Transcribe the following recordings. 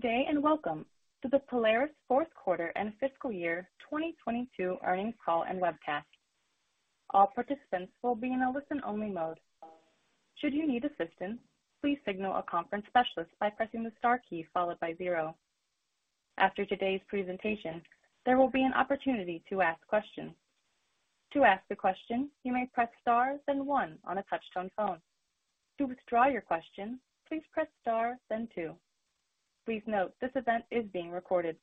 Good day. Welcome to the Polaris Fourth Quarter and Fiscal Year 2022 earnings call and webcast. All participants will be in a listen-only mode. Should you need assistance, please signal a conference specialist by pressing the star key followed by zero. After today's presentation, there will be an opportunity to ask questions. To ask a question, you may press star then one on a touch-tone phone. To withdraw your question, please press star then two. Please note, this event is being recorded.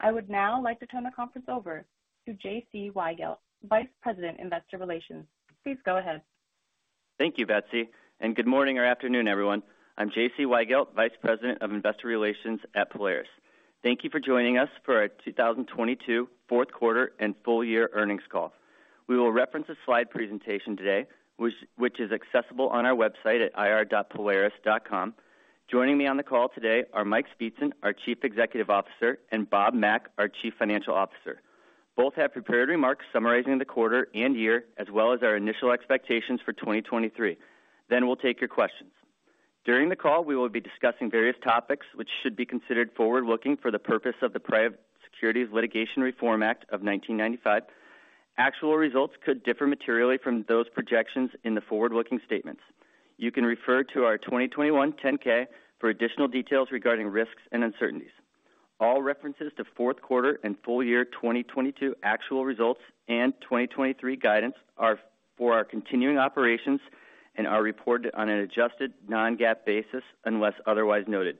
I would now like to turn the conference over to J.C. Weigelt, Vice President, Investor Relations. Please go ahead. Thank you, Betsy, good morning or afternoon, everyone. I'm J.C. Weigelt, Vice President of Investor Relations at Polaris. Thank you for joining us for our 2022 fourth quarter and full year earnings call. We will reference a slide presentation today, which is accessible on our website at ir.polaris.com. Joining me on the call today are Mike Speetzen, our Chief Executive Officer, and Bob Mack, our Chief Financial Officer. Both have prepared remarks summarizing the quarter and year as well as our initial expectations for 2023. We'll take your questions. During the call, we will be discussing various topics which should be considered forward-looking for the purpose of the Private Securities Litigation Reform Act of 1995. Actual results could differ materially from those projections in the forward-looking statements. You can refer to our 2021 10-K for additional details regarding risks and uncertainties. All references to fourth quarter and full year 2022 actual results and 2023 guidance are for our continuing operations and are reported on an Adjusted non-GAAP basis unless otherwise noted.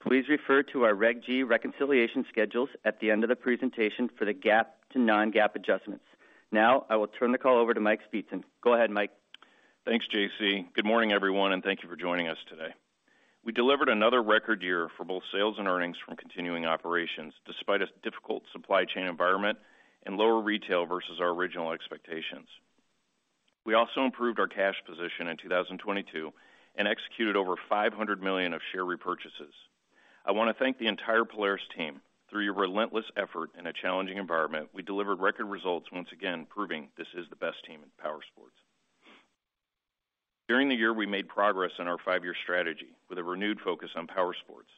Please refer to our Reg G reconciliation schedules at the end of the presentation for the GAAP to non-GAAP adjustments. Now I will turn the call over to Mike Speetzen. Go ahead, Mike. Thanks, J.C. Good morning, everyone, thank you for joining us today. We delivered another record year for both sales and earnings from continuing operations, despite a difficult supply chain environment and lower retail versus our original expectations. We also improved our cash position in 2022 and executed over $500 million of share repurchases. I wanna thank the entire Polaris team. Through your relentless effort in a challenging environment, we delivered record results once again proving this is the best team in powersports. During the year, we made progress on our five-year strategy with a renewed focus on powersports.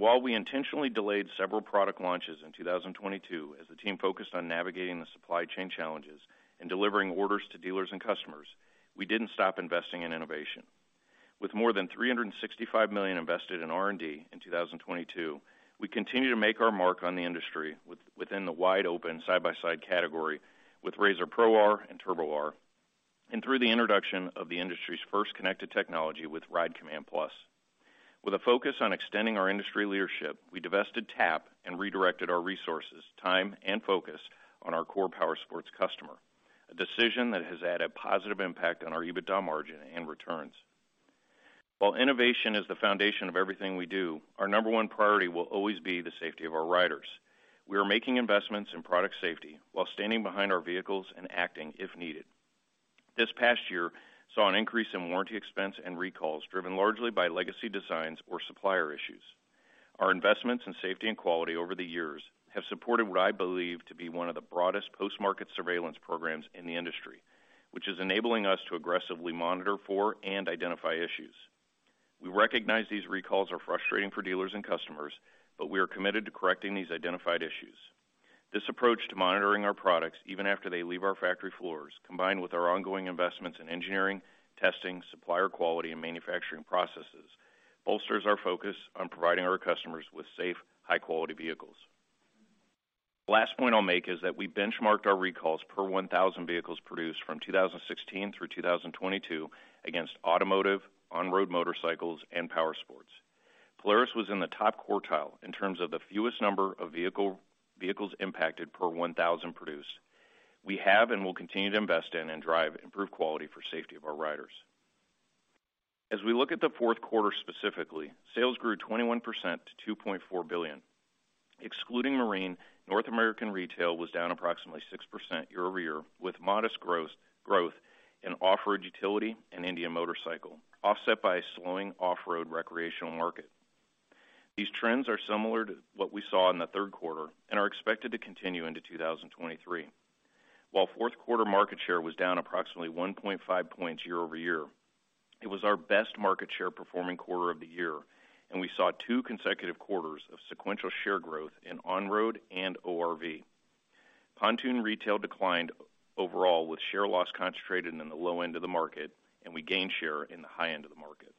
While we intentionally delayed several product launches in 2022 as the team focused on navigating the supply chain challenges and delivering orders to dealers and customers, we didn't stop investing in innovation. With more than $365 million invested in R&D in 2022, we continue to make our mark on the industry within the wide open side-by-side category with RZR Pro R and Turbo R, and through the introduction of the industry's first connected technology with RIDE COMMAND+. With a focus on extending our industry leadership, we divested Tap and redirected our resources, time, and focus on our core powersports customer, a decision that has had a positive impact on our EBITDA margin and returns. While innovation is the foundation of everything we do, our number one priority will always be the safety of our riders. We are making investments in product safety while standing behind our vehicles and acting if needed. This past year saw an increase in warranty expense and recalls driven largely by legacy designs or supplier issues. Our investments in safety and quality over the years have supported what I believe to be one of the broadest post-market surveillance programs in the industry, which is enabling us to aggressively monitor for and identify issues. We recognize these recalls are frustrating for dealers and customers, We are committed to correcting these identified issues. This approach to monitoring our products even after they leave our factory floors, combined with our ongoing investments in engineering, testing, supplier quality, and manufacturing processes, bolsters our focus on providing our customers with safe, high-quality vehicles. Last point I'll make is that we benchmarked our recalls per 1,000 vehicles produced from 2016-2022 against automotive, on-road motorcycles, and powersports. Polaris was in the top quartile in terms of the fewest number of vehicles impacted per 1,000 produced. We have and will continue to invest in and drive improved quality for safety of our riders. As we look at the fourth quarter specifically, sales grew 21% to $2.4 billion. Excluding Marine, North American Retail was down approximately 6% year-over-year with modest growth in off-road utility and Indian Motorcycle, offset by a slowing off-road recreational market. These trends are similar to what we saw in the third quarter and are expected to continue into 2023. While fourth quarter market share was down approximately 1.5 points year-over-year, it was our best market share performing quarter of the year, and we saw two consecutive quarters of sequential share growth in on-road and ORV. Pontoon retail declined overall with share loss concentrated in the low end of the market, and we gained share in the high end of the market.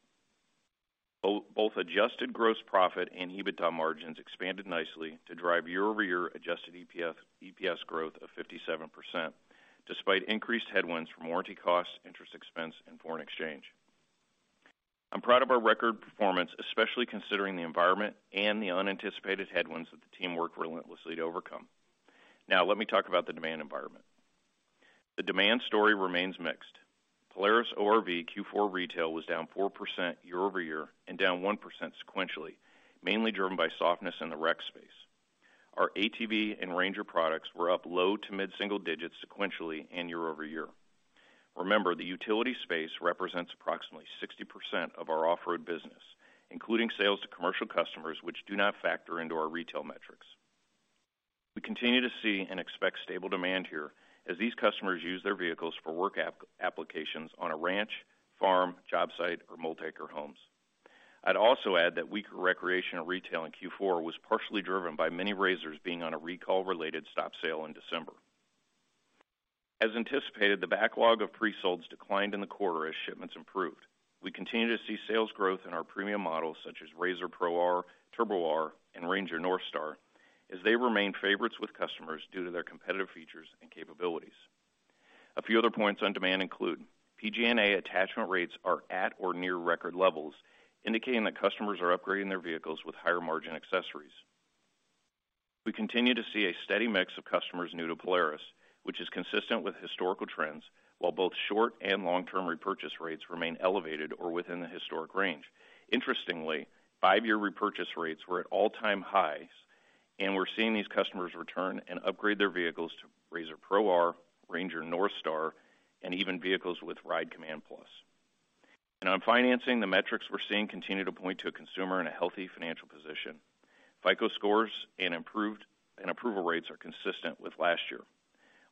both Adjusted Gross Profit and EBITDA margins expanded nicely to drive year-over-year Adjusted EPS growth of 57% despite increased headwinds from warranty costs, interest expense, and foreign exchange. I'm proud of our record performance, especially considering the environment and the unanticipated headwinds that the team worked relentlessly to overcome. Let me talk about the demand environment. The demand story remains mixed. Polaris ORV Q4 retail was down 4% year-over-year and down 1% sequentially, mainly driven by softness in the rec space. Our ATV and RANGER products were up low to mid-single digits sequentially and year-over-year. Remember, the utility space represents approximately 60% of our off-road business, including sales to commercial customers, which do not factor into our retail metrics. We continue to see and expect stable demand here as these customers use their vehicles for work applications on a ranch, farm, job site, or multi-acre homes. I'd also add that weaker recreational retail in Q4 was partially driven by many RZRs being on a recall-related stop sale in December. As anticipated, the backlog of pre-solds declined in the quarter as shipments improved. We continue to see sales growth in our premium models such as RZR Pro R, Turbo R, and RANGER NorthStar, as they remain favorites with customers due to their competitive features and capabilities. A few other points on demand include PG&A attachment rates are at or near record levels, indicating that customers are upgrading their vehicles with higher margin accessories. We continue to see a steady mix of customers new to Polaris, which is consistent with historical trends, while both short and long-term repurchase rates remain elevated or within the historic range. Interestingly, five year repurchase rates were at all-time highs, and we're seeing these customers return and upgrade their vehicles to RZR Pro R, RANGER NorthStar, and even vehicles with RIDE COMMAND+. On financing, the metrics we're seeing continue to point to a consumer in a healthy financial position. FICO scores and approval rates are consistent with last year.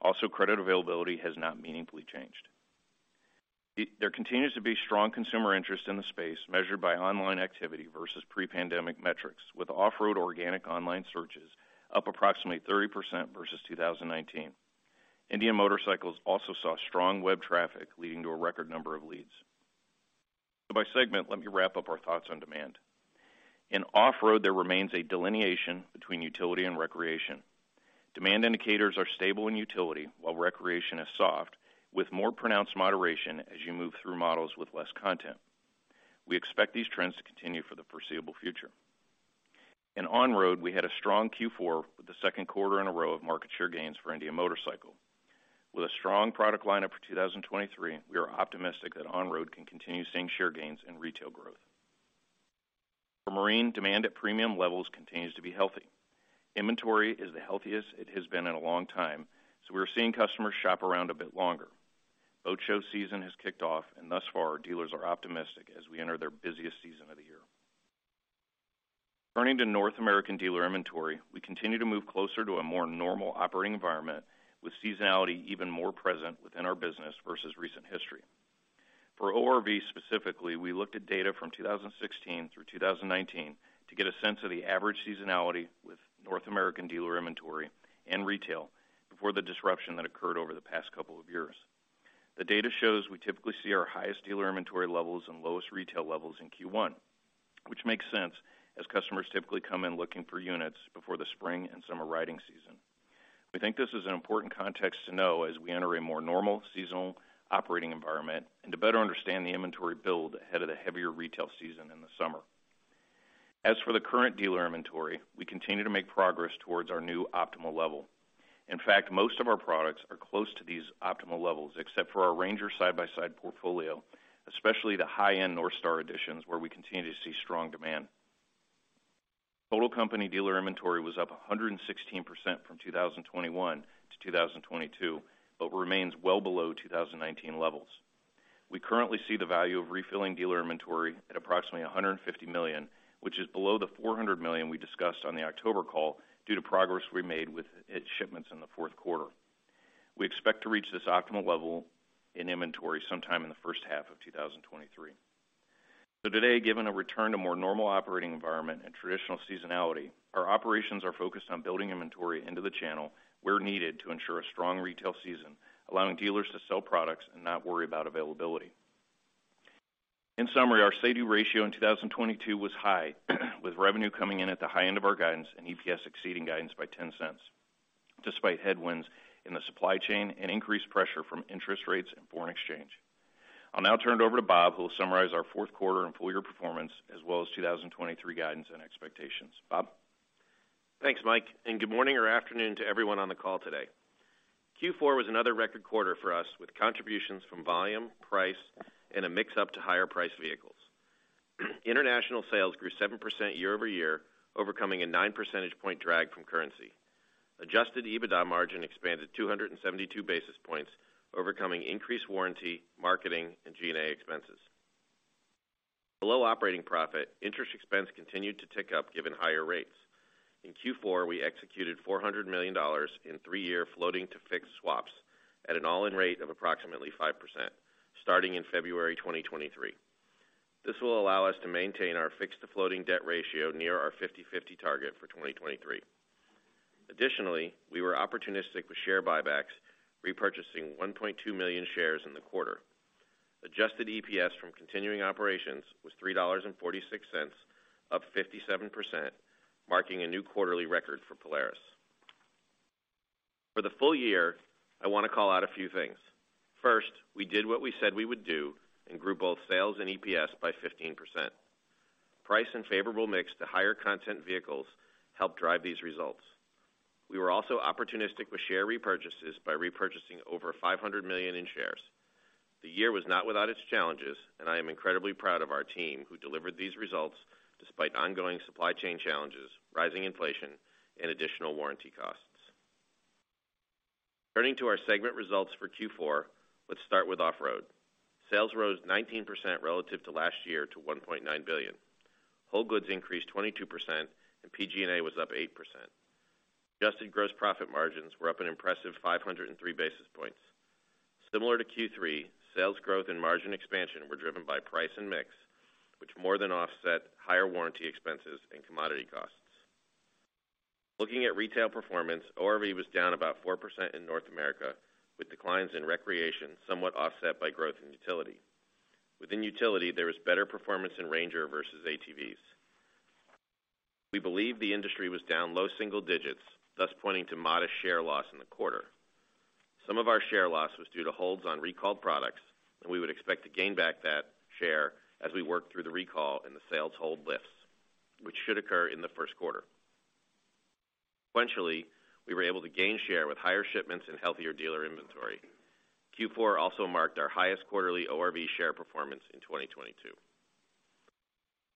Also, credit availability has not meaningfully changed. There continues to be strong consumer interest in the space measured by online activity versus pre-pandemic metrics, with off-road organic online searches up approximately 30% versus 2019. Indian Motorcycle also saw strong web traffic, leading to a record number of leads. By segment, let me wrap up our thoughts on demand. In off-road, there remains a delineation between utility and recreation. Demand indicators are stable in utility, while recreation is soft, with more pronounced moderation as you move through models with less content. We expect these trends to continue for the foreseeable future. In on-road, we had a strong Q4 with the second quarter in a row of market share gains for Indian Motorcycle. With a strong product lineup for 2023, we are optimistic that on-road can continue seeing share gains and retail growth. For marine, demand at premium levels continues to be healthy. Inventory is the healthiest it has been in a long time, we're seeing customers shop around a bit longer. Boat show season has kicked off, thus far, our dealers are optimistic as we enter their busiest season of the year. Turning to North American dealer inventory, we continue to move closer to a more normal operating environment with seasonality even more present within our business versus recent history. For ORV specifically, we looked at data from 2016 through 2019 to get a sense of the average seasonality with North American dealer inventory and retail before the disruption that occurred over the past couple of years. The data shows we typically see our highest dealer inventory levels and lowest retail levels in Q1, which makes sense as customers typically come in looking for units before the spring and summer riding season. We think this is an important context to know as we enter a more normal seasonal operating environment and to better understand the inventory build ahead of the heavier retail season in the summer. As for the current dealer inventory, we continue to make progress towards our new optimal level. In fact, most of our products are close to these optimal levels, except for our RANGER side-by-side portfolio, especially the high-end NorthStar editions, where we continue to see strong demand. Total company dealer inventory was up 116% from 2021 to 2022, but remains well below 2019 levels. We currently see the value of refilling dealer inventory at approximately $150 million, which is below the $400 million we discussed on the October call due to progress we made at shipments in the fourth quarter. We expect to reach this optimal level in inventory sometime in the first half of 2023. Today, given a return to more normal operating environment and traditional seasonality, our operations are focused on building inventory into the channel where needed to ensure a strong retail season, allowing dealers to sell products and not worry about availability. In summary, our SADU ratio in 2022 was high, with revenue coming in at the high end of our guidance and EPS exceeding guidance by $0.10, despite headwinds in the supply chain and increased pressure from interest rates and foreign exchange. I'll now turn it over to Bob, who will summarize our fourth quarter and full year performance as well as 2023 guidance and expectations. Bob? Thanks, Mike. Good morning or afternoon to everyone on the call today. Q4 was another record quarter for us with contributions from volume, price, and a mix-up to higher priced vehicles. International sales grew 7% year-over-year, overcoming a nine percentage point drag from currency. Adjusted EBITDA Margin expanded 272 basis points, overcoming increased warranty, marketing, and G&A expenses. Below operating profit, interest expense continued to tick up given higher rates. In Q4, we executed $400 million in three-year floating to fixed swaps at an all-in rate of approximately 5%, starting in February 2023. This will allow us to maintain our fixed to floating debt ratio near our 50/50 target for 2023. Additionally, we were opportunistic with share buybacks, repurchasing 1.2 million shares in the quarter. Adjusted EPS from continuing operations was $3.46, up 57%, marking a new quarterly record for Polaris. For the full year, I wanna call out a few things. First, we did what we said we would do and grew both sales and EPS by 15%. Price and favorable mix to higher content vehicles helped drive these results. We were also opportunistic with share repurchases by repurchasing over $500 million in shares. The year was not without its challenges, and I am incredibly proud of my team who delivered these results despite ongoing supply chain challenges, rising inflation, and additional warranty costs. Turning to our segment results for Q4, let's start with off-road. Sales rose 19% relative to last year to $1.9 billion. Whole goods increased 22% and PG&A was up 8%. Adjusted Gross Profit Margins were up an impressive 503 basis points. Similar to Q3, sales growth and margin expansion were driven by price and mix, which more than offset higher warranty expenses and commodity costs. Looking at retail performance, ORV was down about 4% in North America, with declines in recreation somewhat offset by growth in utility. Within utility, there was better performance in RANGER versus ATVs. We believe the industry was down low single digits, thus pointing to modest share loss in the quarter. Some of our share loss was due to holds on recalled products, and we would expect to gain back that share as we work through the recall and the sales hold lifts, which should occur in the first quarter. Sequentially, we were able to gain share with higher shipments and healthier dealer inventory. Q4 also marked our highest quarterly ORV share performance in 2022.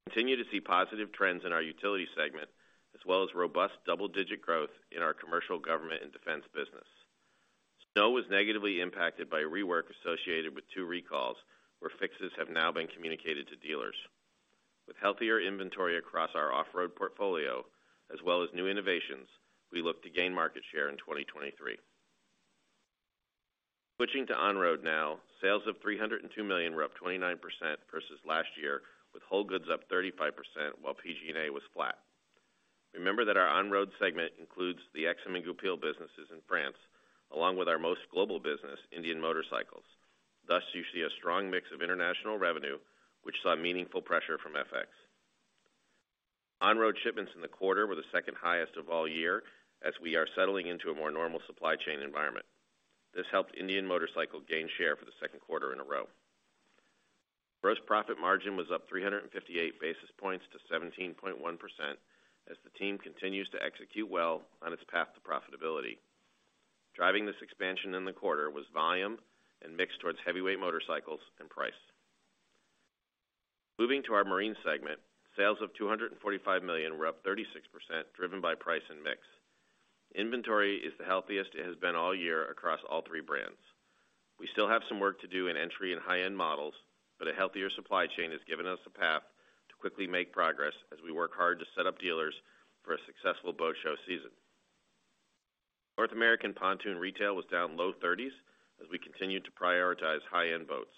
Continue to see positive trends in our utility segment, as well as robust double-digit growth in our commercial government and defense business. Snow was negatively impacted by rework associated with two recalls, where fixes have now been communicated to dealers. With healthier inventory across our off-road portfolio, as well as new innovations, we look to gain market share in 2023. Switching to on-road now, sales of $302 million were up 29% versus last year, with whole goods up 35%, while PG&A was flat. Remember that our on-road segment includes the Aixam and Goupil businesses in France, along with our most global business, Indian Motorcycle. You see a strong mix of international revenue, which saw meaningful pressure from FX. On-road shipments in the quarter were the second highest of all year as we are settling into a more normal supply chain environment. This helped Indian Motorcycle gain share for the second quarter in a row. Gross profit margin was up 358 basis points to 17.1% as the team continues to execute well on its path to profitability. Driving this expansion in the quarter was volume and mix towards heavyweight motorcycles and price. Moving to our marine segment, sales of $245 million were up 36%, driven by price and mix. Inventory is the healthiest it has been all year across all three brands. We still have some work to do in entry and high-end models, but a healthier supply chain has given us a path to quickly make progress as we work hard to set up dealers for a successful boat show season. North American pontoon retail was down low 30s as we continued to prioritize high-end boats.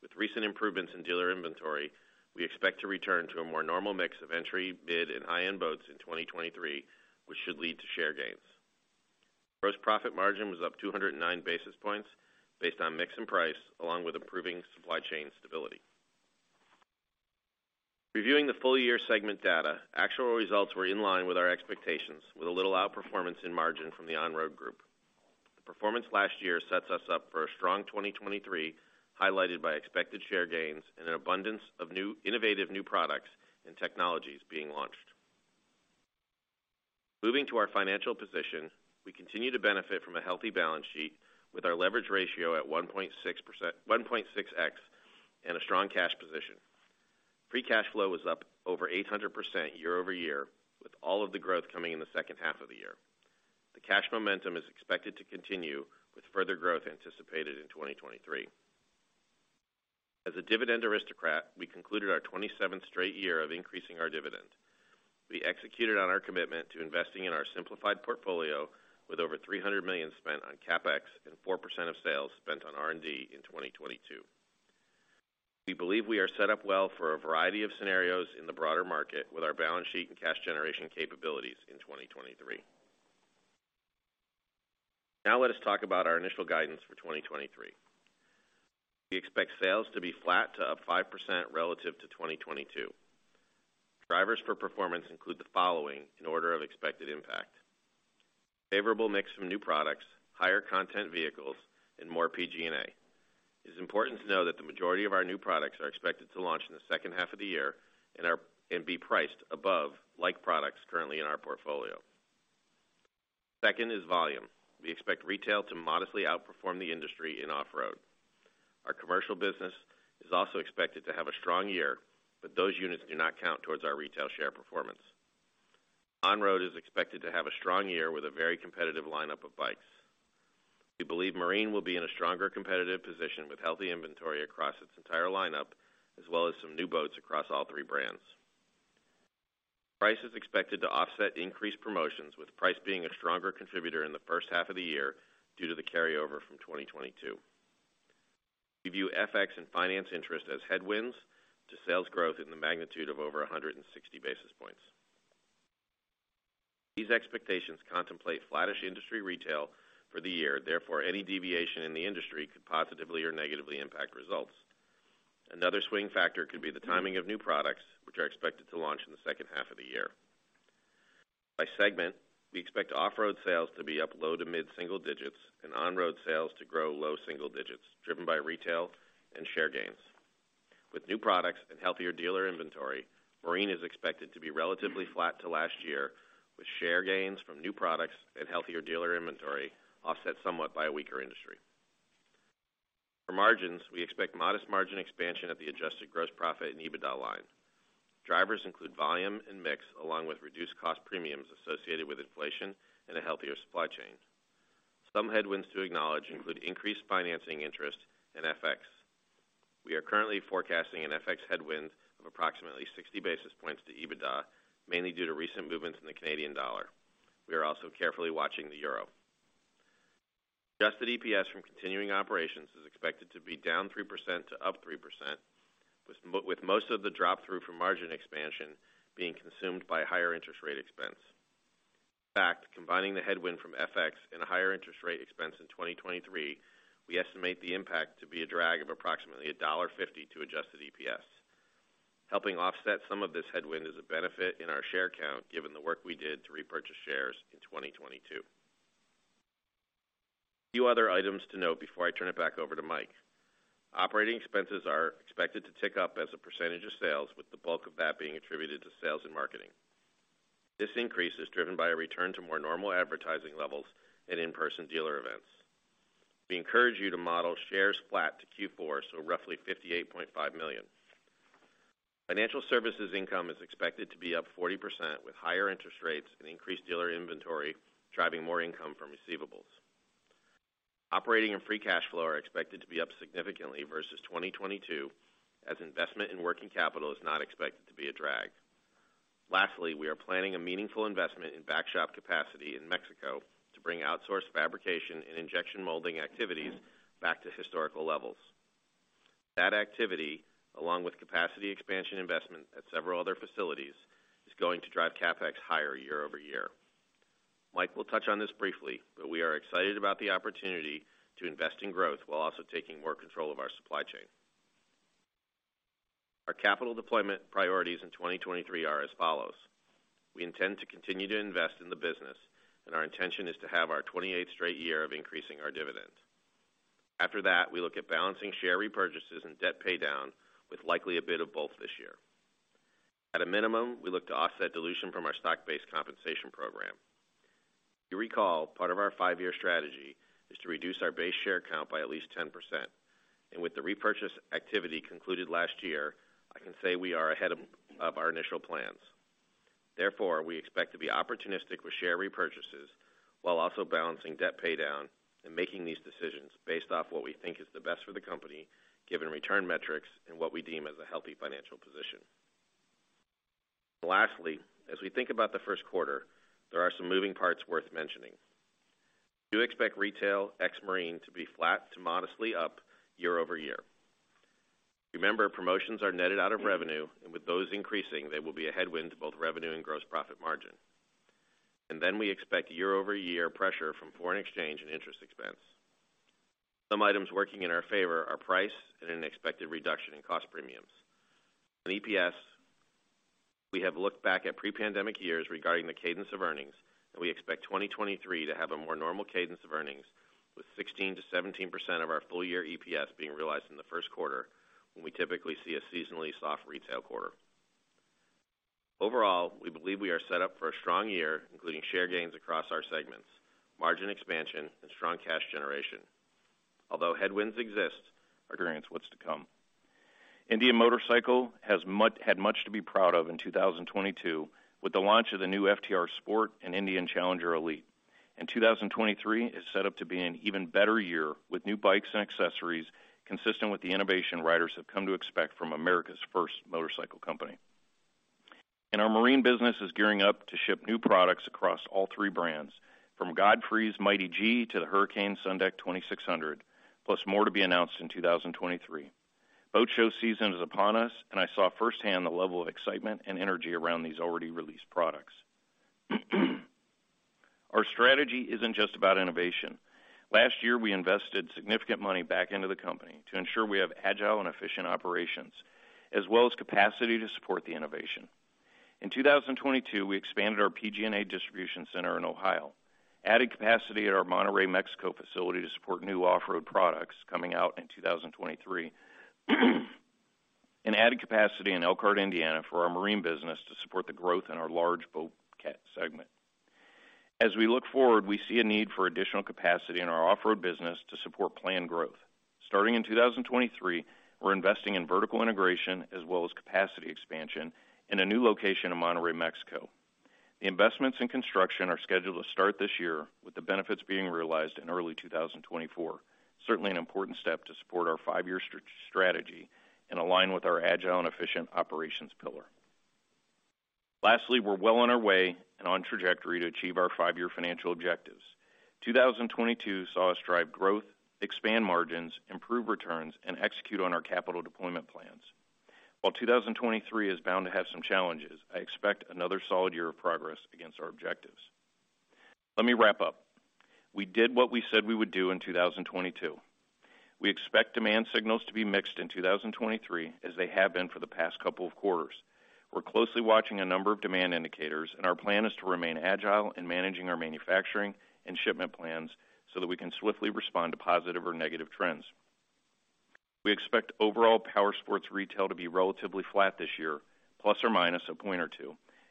With recent improvements in dealer inventory, we expect to return to a more normal mix of entry, mid, and high-end boats in 2023, which should lead to share gains. Gross profit margin was up 209 basis points based on mix and price, along with improving supply chain stability. Reviewing the full year segment data, actual results were in line with our expectations, with a little outperformance in margin from the on-road group. The performance last year sets us up for a strong 2023, highlighted by expected share gains and an innovative new products and technologies being launched. Moving to our financial position, we continue to benefit from a healthy balance sheet with our leverage ratio at 1.6x and a strong cash position. Free Cash Flow was up over 800% year-over-year, with all of the growth coming in the second half of the year. The cash momentum is expected to continue, with further growth anticipated in 2023. As a Dividend Aristocrat, we concluded our 27th straight year of increasing our dividend. We executed on our commitment to investing in our simplified portfolio, with over $300 million spent on CapEx and 4% of sales spent on R&D in 2022. We believe we are set up well for a variety of scenarios in the broader market with our balance sheet and cash generation capabilities in 2023. Now let us talk about our initial guidance for 2023. We expect sales to be flat to up 5% relative to 2022. Drivers for performance include the following in order of expected impact. Favorable mix from new products, higher content vehicles, and more PG&A. It is important to know that the majority of our new products are expected to launch in the second half of the year and be priced above like products currently in our portfolio. Second is volume. We expect retail to modestly outperform the industry in off-road. Our commercial business is also expected to have a strong year, but those units do not count towards our retail share performance. On-road is expected to have a strong year with a very competitive lineup of bikes. We believe Marine will be in a stronger competitive position with healthy inventory across its entire lineup, as well as some new boats across all three brands. Price is expected to offset increased promotions, with price being a stronger contributor in the first half of the year due to the carryover from 2022. We view FX and finance interest as headwinds to sales growth in the magnitude of over 160 basis points. These expectations contemplate flattish industry retail for the year. Therefore, any deviation in the industry could positively or negatively impact results. Another swing factor could be the timing of new products, which are expected to launch in the second half of the year. By segment, we expect off-road sales to be up low to mid-single digits and on-road sales to grow low single digits, driven by retail and share gains. With new products and healthier dealer inventory, Marine is expected to be relatively flat to last year, with share gains from new products and healthier dealer inventory offset somewhat by a weaker industry. For margins, we expect modest margin expansion at the Adjusted Gross Profit and EBITDA line. Drivers include volume and mix, along with reduced cost premiums associated with inflation and a healthier supply chain. Some headwinds to acknowledge include increased financing interest and FX. We are currently forecasting an FX headwind of approximately 60 basis points to EBITDA, mainly due to recent movements in the Canadian dollar. We are also carefully watching the Euro. Adjusted EPS from continuing operations is expected to be down 3% to up 3%, with most of the drop through from margin expansion being consumed by higher interest rate expense. In fact, combining the headwind from FX and a higher interest rate expense in 2023, we estimate the impact to be a drag of approximately $1.50 to Adjusted EPS. Helping offset some of this headwind is a benefit in our share count, given the work we did to repurchase shares in 2022. A few other items to note before I turn it back over to Mike. Operating expenses are expected to tick up as a percentage of sales, with the bulk of that being attributed to sales and marketing. This increase is driven by a return to more normal advertising levels and in-person dealer events. We encourage you to model shares flat to Q4, so roughly $58.5 million. Financial services income is expected to be up 40%, with higher interest rates and increased dealer inventory driving more income from receivables. Operating and Free Cash Flow are expected to be up significantly versus 2022, as investment in working capital is not expected to be a drag. Lastly, we are planning a meaningful investment in backshop capacity in Mexico to bring outsourced fabrication and injection molding activities back to historical levels. That activity, along with capacity expansion investment at several other facilities, is going to drive CapEx higher year-over-year. Mike will touch on this briefly. We are excited about the opportunity to invest in growth while also taking more control of our supply chain. Our capital deployment priorities in 2023 are as follows. We intend to continue to invest in the business. Our intention is to have our 28 straight year of increasing our dividend. After that, we look at balancing share repurchases and debt paydown, with likely a bit of both this year. At a minimum, we look to offset dilution from our stock-based compensation program. You recall, part of our five year strategy is to reduce our base share count by at least 10%. With the repurchase activity concluded last year, I can say we are ahead of our initial plans. Therefore, we expect to be opportunistic with share repurchases while also balancing debt paydown and making these decisions based off what we think is the best for the company, given return metrics and what we deem as a healthy financial position. Lastly, as we think about the first quarter, there are some moving parts worth mentioning. We do expect retail ex Marine to be flat to modestly up year-over-year. Remember, promotions are netted out of revenue, and with those increasing, they will be a headwind to both revenue and gross profit margin. Then we expect year-over-year pressure from foreign exchange and interest expense. Some items working in our favor are price and an expected reduction in cost premiums. In EPS, we have looked back at pre-pandemic years regarding the cadence of earnings, and we expect 2023 to have a more normal cadence of earnings, with 16%-17% of our full year EPS being realized in the first quarter, when we typically see a seasonally soft retail quarter. Overall, we believe we are set up for a strong year, including share gains across our segments, margin expansion and strong cash generation. Although headwinds exist, our guidance what's to come. Indian Motorcycle had much to be proud of in 2022, with the launch of the new FTR Sport and Indian Challenger Elite. 2023 is set up to be an even better year with new bikes and accessories consistent with the innovation riders have come to expect from America's first motorcycle company. Our marine business is gearing up to ship new products across all three brands, from Godfrey's Mighty G to the Hurricane SunDeck 2600, plus more to be announced in 2023. Boat show season is upon us. I saw firsthand the level of excitement and energy around these already released products. Our strategy isn't just about innovation. Last year, we invested significant money back into the company to ensure we have agile and efficient operations, as well as capacity to support the innovation. In 2022, we expanded our PG&A distribution center in Ohio, adding capacity at our Monterrey, Mexico facility to support new off-road products coming out in 2023. Adding capacity in Elkhart, Indiana, for our marine business to support the growth in our large boat cat segment. As we look forward, we see a need for additional capacity in our off-road business to support planned growth. Starting in 2023, we're investing in vertical integration as well as capacity expansion in a new location in Monterrey, Mexico. The investments in construction are scheduled to start this year, with the benefits being realized in early 2024. Certainly an important step to support our five year strategy and align with our agile and efficient operations pillar. Lastly, we're well on our way and on trajectory to achieve our five year financial objectives. 2022 saw us drive growth, expand margins, improve returns, and execute on our capital deployment plans. While 2023 is bound to have some challenges, I expect another solid year of progress against our objectives. Let me wrap up. We did what we said we would do in 2022. We expect demand signals to be mixed in 2023, as they have been for the past couple of quarters. We're closely watching a number of demand indicators, and our plan is to remain agile in managing our manufacturing and shipment plans so that we can swiftly respond to positive or negative trends. We expect overall powersports retail to be relatively flat this year, ±1 or 2 points,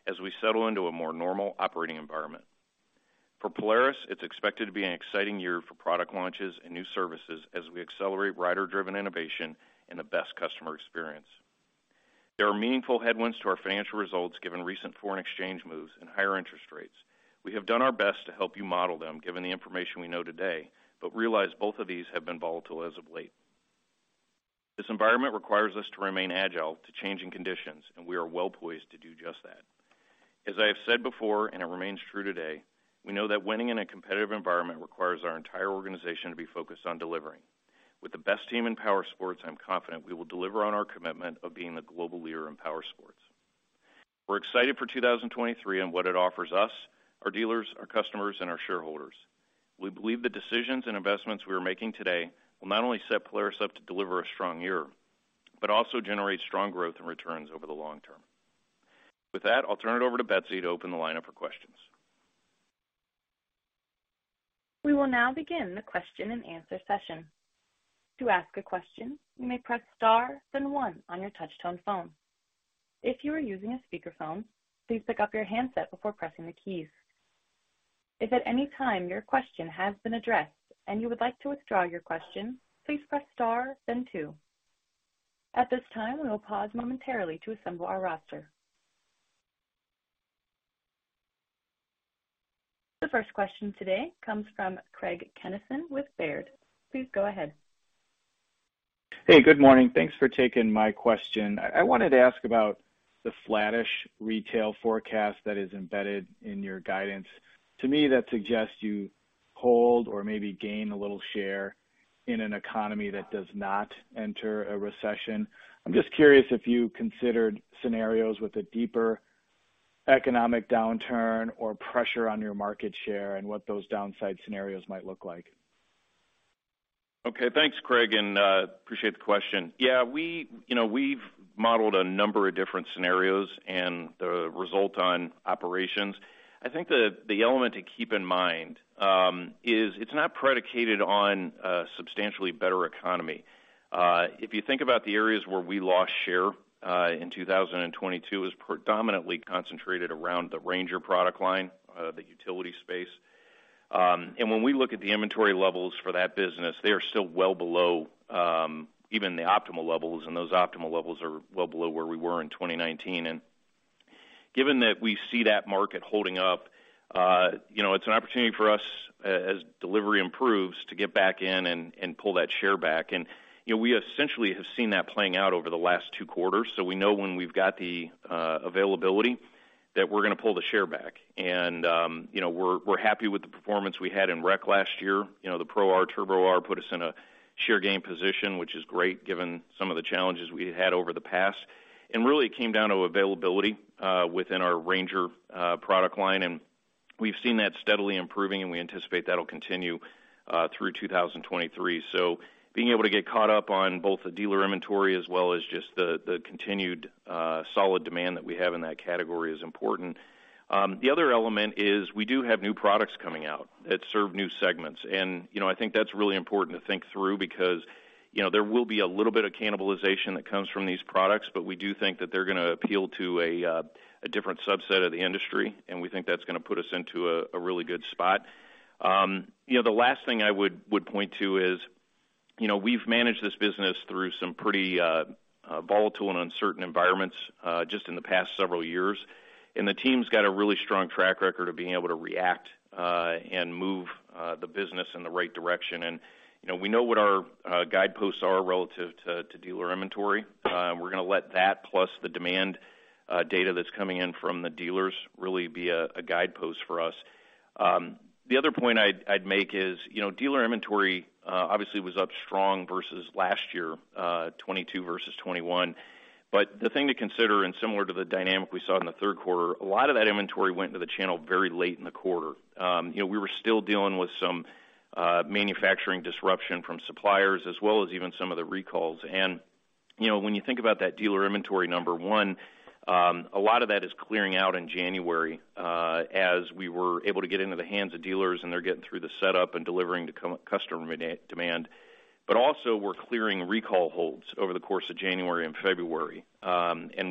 as we settle into a more normal operating environment. For Polaris, it's expected to be an exciting year for product launches and new services as we accelerate rider-driven innovation and the best customer experience. There are meaningful headwinds to our financial results, given recent foreign exchange moves and higher interest rates. We have done our best to help you model them given the information we know today, but realize both of these have been volatile as of late. This environment requires us to remain agile to changing conditions, and we are well poised to do just that. As I have said before, and it remains true today, we know that winning in a competitive environment requires our entire organization to be focused on delivering. With the best team in powersports, I'm confident we will deliver on our commitment of being the global leader in powersports. We're excited for 2023 and what it offers us, our dealers, our customers, and our shareholders. We believe the decisions and investments we are making today will not only set Polaris up to deliver a strong year, but also generate strong growth and returns over the long term. With that, I'll turn it over to Betsy to open the line up for questions. We will now begin the question-and-answer session. To ask a question, you may press star, then one on your touch-tone phone. If you are using a speakerphone, please pick up your handset before pressing the keys. If at any time your question has been addressed and you would like to withdraw your question, please press star then two. At this time, we will pause momentarily to assemble our roster. The first question today comes from Craig Kennison with Baird. Please go ahead. Hey, good morning. Thanks for taking my question. I wanted to ask about the flattish retail forecast that is embedded in your guidance. To me, that suggests you hold or maybe gain a little share in an economy that does not enter a recession. I'm just curious if you considered scenarios with a deeper economic downturn or pressure on your market share and what those downside scenarios might look like. Okay, thanks, Craig, appreciate the question. Yeah, we, you know, we've modeled a number of different scenarios and the result on operations. I think the element to keep in mind, is it's not predicated on a substantially better economy. If you think about the areas where we lost share, in 2022 is predominantly concentrated around the RANGER product line, the utility space. When we look at the inventory levels for that business, they are still well below, even the optimal levels, and those optimal levels are well below where we were in 2019. Given that we see that market holding up, you know, it's an opportunity for us as delivery improves to get back in and pull that share back. You know, we essentially have seen that playing out over the last two quarters. We know when we've got the availability that we're gonna pull the share back. You know, we're happy with the performance we had in Rec last year. You know, the Pro R, Turbo R put us in a share gain position, which is great given some of the challenges we had over the past. Really it came down to availability within our RANGER product line, and we've seen that steadily improving, and we anticipate that'll continue through 2023. Being able to get caught up on both the dealer inventory as well as just the continued solid demand that we have in that category is important. The other element is we do have new products coming out that serve new segments. You know, I think that's really important to think through because, you know, there will be a little bit of cannibalization that comes from these products. We do think that they're gonna appeal to a different subset of the industry, and we think that's gonna put us into a really good spot. You know, the last thing I would point to is, you know, we've managed this business through some pretty volatile and uncertain environments just in the past several years. The team's got a really strong track record of being able to react and move the business in the right direction. You know, we know what our guideposts are relative to dealer inventory. We're gonna let that plus the demand data that's coming in from the dealers really be a guidepost for us. The other point I'd make is, you know, dealer inventory obviously was up strong versus last year, 2022 versus 2021. The thing to consider, and similar to the dynamic we saw in the third quarter, a lot of that inventory went into the channel very late in the quarter. You know, we were still dealing with some manufacturing disruption from suppliers as well as even some of the recalls. You know, when you think about that dealer inventory, number one, a lot of that is clearing out in January as we were able to get into the hands of dealers and they're getting through the setup and delivering to customer demand. Also we're clearing recall holds over the course of January and February.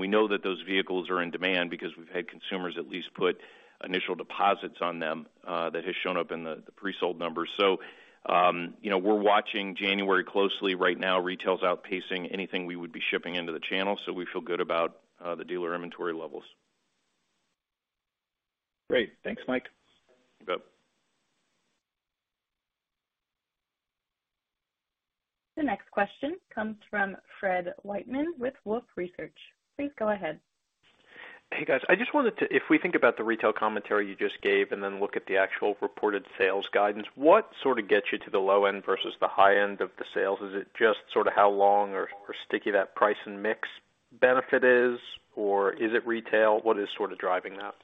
We know that those vehicles are in demand because we've had consumers at least put initial deposits on them, that has shown up in the pre-sold numbers. You know, we're watching January closely. Right now, retail is outpacing anything we would be shipping into the channel, so we feel good about the dealer inventory levels. Great. Thanks, Mike. You bet. The next question comes from Fred Wightman with Wolfe Research. Please go ahead. Hey, guys. If we think about the retail commentary you just gave and then look at the actual reported sales guidance, what sort of gets you to the low end versus the high end of the sales? Is it just sort of how long or sticky that price and mix benefit is, or is it retail? What is sort of driving that?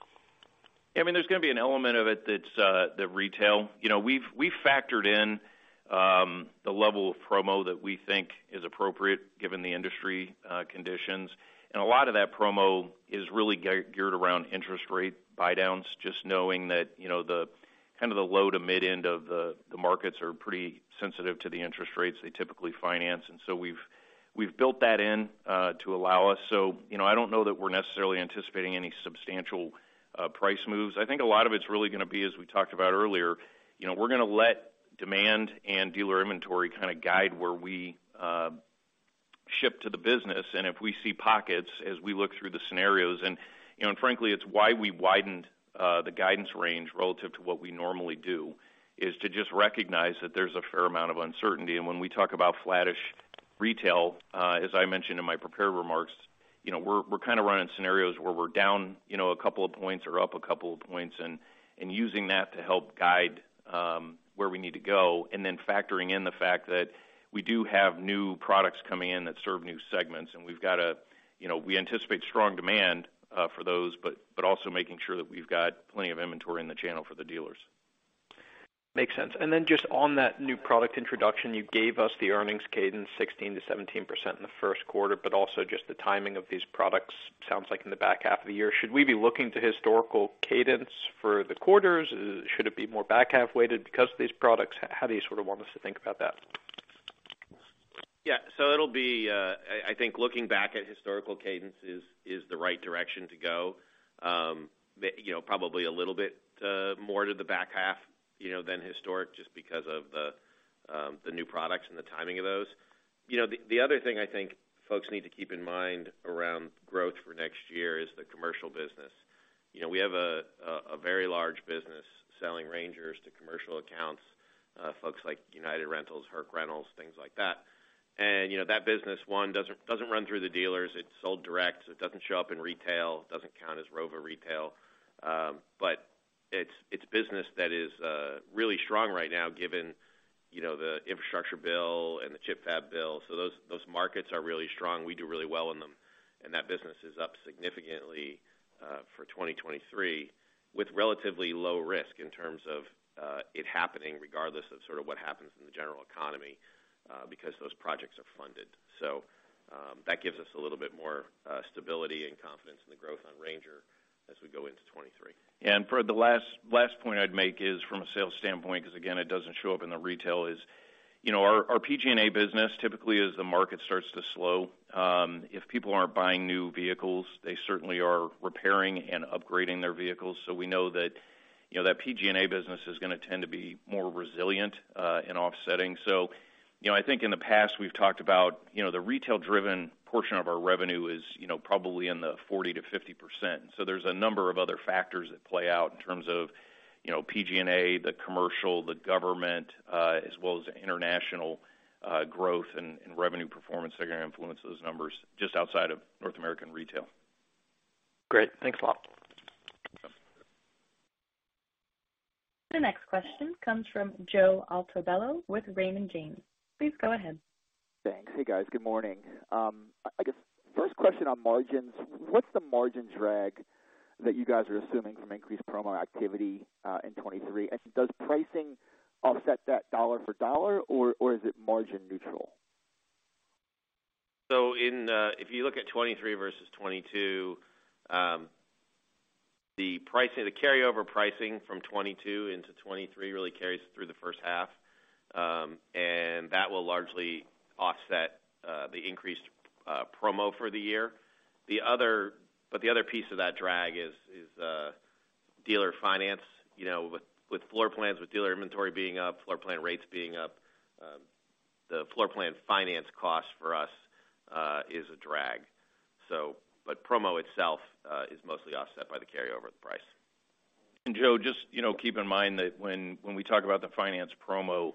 I mean, there's gonna be an element of it that's the retail. You know, we've factored in the level of promo that we think is appropriate given the industry conditions. A lot of that promo is really geared around interest rate buydowns, just knowing that, you know, the kind of the low to mid end of the markets are pretty sensitive to the interest rates they typically finance. We've built that in to allow us. You know, I don't know that we're necessarily anticipating any substantial price moves. I think a lot of it's really gonna be, as we talked about earlier, you know, we're gonna let demand and dealer inventory kind of guide where we ship to the business. If we see pockets as we look through the scenarios and, you know, frankly, it's why we widened the guidance range relative to what we normally do, is to just recognize that there's a fair amount of uncertainty. When we talk about flattish retail, as I mentioned in my prepared remarks, you know, we're kind of running scenarios where we're down, you know, a couple of points or up a couple of points, and using that to help guide where we need to go. Then factoring in the fact that we do have new products coming in that serve new segments. We've got to, you know, we anticipate strong demand for those, but also making sure that we've got plenty of inventory in the channel for the dealers. Makes sense. Just on that new product introduction, you gave us the earnings cadence 16%-17% in the first quarter, also just the timing of these products sounds like in the back half of the year. Should we be looking to historical cadence for the quarters? Should it be more back half-weighted because of these products? How do you sort of want us to think about that? Yeah. It'll be, I think looking back at historical cadences is the right direction to go. You know, probably a little bit more to the back half, you know, than historic just because of the new products and the timing of those. You know, the other thing I think folks need to keep in mind around growth for next year is the commercial business. You know, we have a very large business selling RANGERs to commercial accounts, folks like United Rentals, Herc Rentals, things like that. You know, that business, one, doesn't run through the dealers. It's sold direct, it doesn't show up in retail, it doesn't count as row of retail. It's business that is really strong right now given, you know, the infrastructure bill and the chip fab bill. Those markets are really strong. We do really well in them. That business is up significantly for 2023 with relatively low risk in terms of it happening regardless of sort of what happens in the general economy because those projects are funded. That gives us a little bit more stability and confidence in the growth on RANGER as we go into 23. For the last point I'd make is from a sales standpoint, because again, it doesn't show up in the retail is, you know, our PG&A business typically as the market starts to slow, if people aren't buying new vehicles, they certainly are repairing and upgrading their vehicles. We know that, you know, that PG&A business is going to tend to be more resilient in offsetting. I think in the past we've talked about, you know, the retail-driven portion of our revenue is, you know, probably in the 40%-50%. There's a number of other factors that play out in terms of, you know, PG&A, the commercial, the government, as well as the international growth and revenue performance that are going to influence those numbers just outside of North American retail. Great. Thanks a lot. The next question comes from Joe Altobello with Raymond James. Please go ahead. Thanks. Hey, guys. Good morning. I guess first question on margins. What's the margin drag that you guys are assuming from increased promo activity, in 2023? Does pricing offset that dollar for dollar or is it margin neutral? In, if you look at 23 versus 22, the carryover pricing from 22 into 23 really carries through the first half. That will largely offset the increased promo for the year. The other piece of that drag is dealer finance. You know, with floorplans, with dealer inventory being up, floorplan rates being up, the floorplan finance cost for us, is a drag. But promo itself, is mostly offset by the carryover price. Joe, just, you know, keep in mind that when we talk about the finance promo, you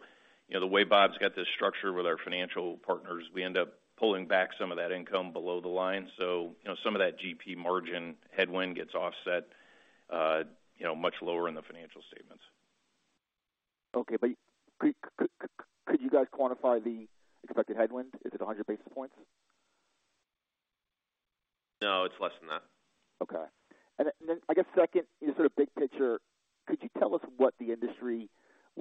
know, the way Bob's got this structured with our financial partners, we end up pulling back some of that income below the line. You know, some of that GP margin headwind gets offset, you know, much lower in the financial statements. Okay, but could you guys quantify the expected headwind? Is it 100 basis points? No, it's less than that. Okay. I guess second, sort of big picture, could you tell us what the industry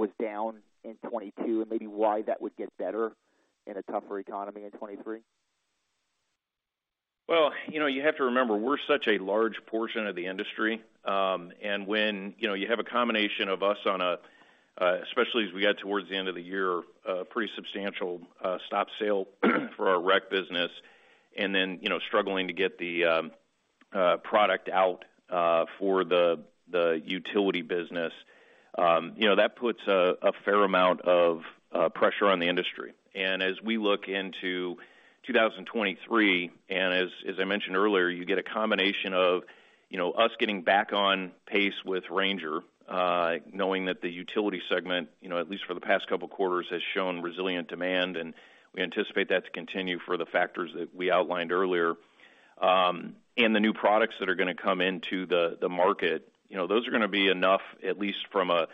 was down in 2022 and maybe why that would get better in a tougher economy in 2023? Well, you know, you have to remember, we're such a large portion of the industry. When, you know, you have a combination of us on a, especially as we got towards the end of the year, a pretty substantial stop sale for our rec business and then, you know, struggling to get the product out for the utility business, you know, that puts a fair amount of pressure on the industry. As we look into 2023, and as I mentioned earlier, you get a combination of, you know, us getting back on pace with RANGER, knowing that the utility segment, you know, at least for the past couple quarters, has shown resilient demand, and we anticipate that to continue for the factors that we outlined earlier. The new products that are going to come into the market. You know, those are going to be enough, at least from a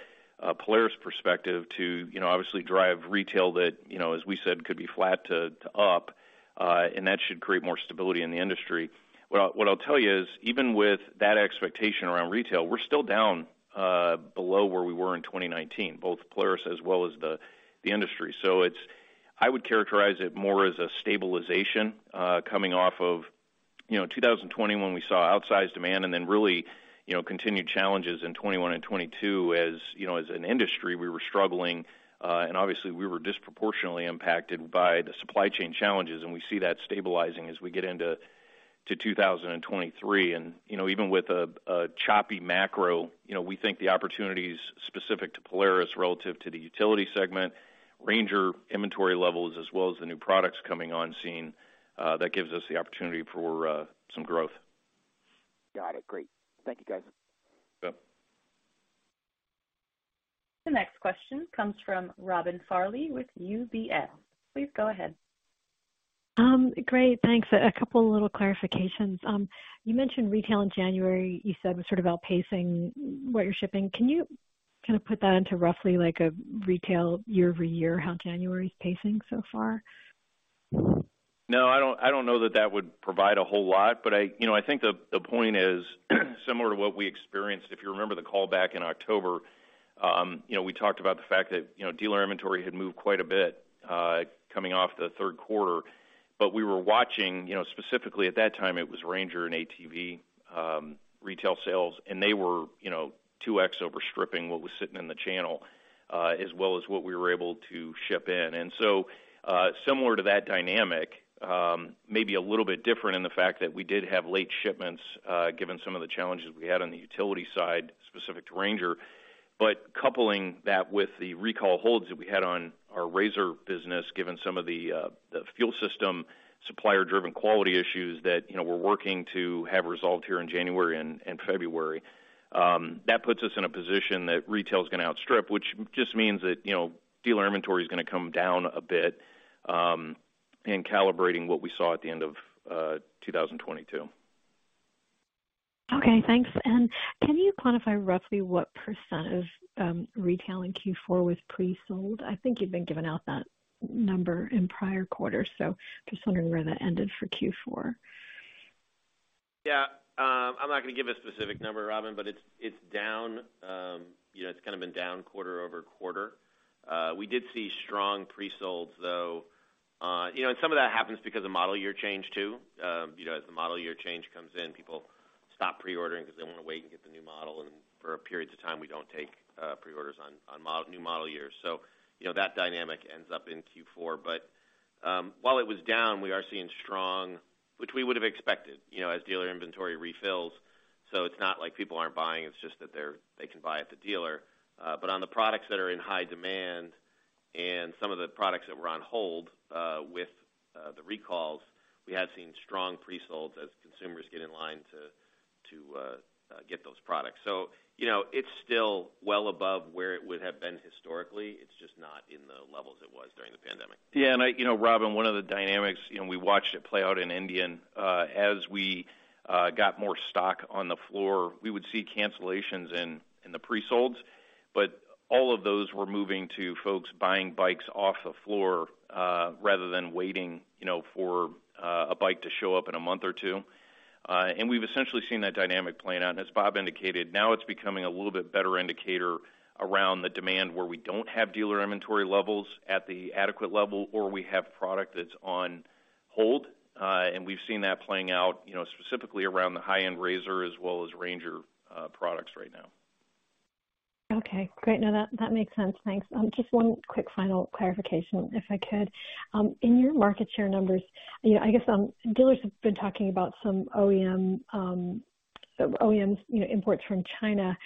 Polaris perspective, to, you know, obviously drive retail that, you know, as we said, could be flat to up. That should create more stability in the industry. What I'll tell you is, even with that expectation around retail, we're still down below where we were in 2019, both Polaris as well as the industry. I would characterize it more as a stabilization coming off of, you know, 2020 when we saw outsized demand and then really, you know, continued challenges in 2021 and 2022. You know, as an industry, we were struggling, obviously we were disproportionately impacted by the supply chain challenges, and we see that stabilizing as we get into 2023. You know, even with a choppy macro, you know, we think the opportunities specific to Polaris relative to the utility segment, RANGER inventory levels, as well as the new products coming on scene, that gives us the opportunity for some growth. Got it. Great. Thank you, guys. Yep. The next question comes from Robin Farley with UBS. Please go ahead. Great, thanks. A couple of little clarifications. You mentioned retail in January, you said was sort of outpacing what you're shipping. Can you kind of put that into roughly like a retail year-over-year how January's pacing so far? No, I don't know that that would provide a whole lot, but I, you know, I think the point is similar to what we experienced. If you remember the call back in October, you know, we talked about the fact that, you know, dealer inventory had moved quite a bit coming off the third quarter. We were watching, you know, specifically at that time, it was RANGER and ATV retail sales, and they were, you know, 2x overstripping what was sitting in the channel, as well as what we were able to ship in. So, similar to that dynamic, maybe a little bit different in the fact that we did have late shipments, given some of the challenges we had on the utility side specific to RANGER. Coupling that with the recall holds that we had on our RZR business, given some of the fuel system, supplier-driven quality issues that, you know, we're working to have resolved here in January and February, that puts us in a position that retail is gonna outstrip, which just means that, you know, dealer inventory is gonna come down a bit in calibrating what we saw at the end of 2022. Okay, thanks. Can you quantify roughly what % of retail in Q4 was pre-sold? I think you've been giving out that number in prior quarters, so just wondering where that ended for Q4. Yeah. I'm not gonna give a specific number, Robin, but it's down, you know, it's kind of been down quarter-over-quarter. We did see strong pre-solds, though. You know, and some of that happens because of model year change, too. You know, as the model year change comes in, people stop pre-ordering 'cause they wanna wait and get the new model. For periods of time, we don't take pre-orders on new model years. You know, that dynamic ends up in Q4. While it was down, we are seeing strong, which we would have expected, you know, as dealer inventory refills. It's not like people aren't buying, it's just that they can buy at the dealer. On the products that are in high demand and some of the products that were on hold, with the recalls, we have seen strong pre-solds as consumers get in line to get those products. You know, it's still well above where it would have been historically. It's just not in the levels it was during the pandemic. Yeah. You know, Robin, one of the dynamics, you know, we watched it play out in Indian, as we got more stock on the floor. We would see cancellations in the pre-solds, all of those were moving to folks buying bikes off the floor, rather than waiting, you know, for a bike to show up in a month or two. We've essentially seen that dynamic playing out. As Bob indicated, now it's becoming a little bit better indicator around the demand where we don't have dealer inventory levels at the adequate level or we have product that's on hold. We've seen that playing out, you know, specifically around the high-end RZR as well as RANGER products right now. Okay, great. No, that makes sense. Thanks. Just one quick final clarification, if I could. In your market share numbers, you know, I guess, dealers have been talking about some OEMs, you know, imports from China,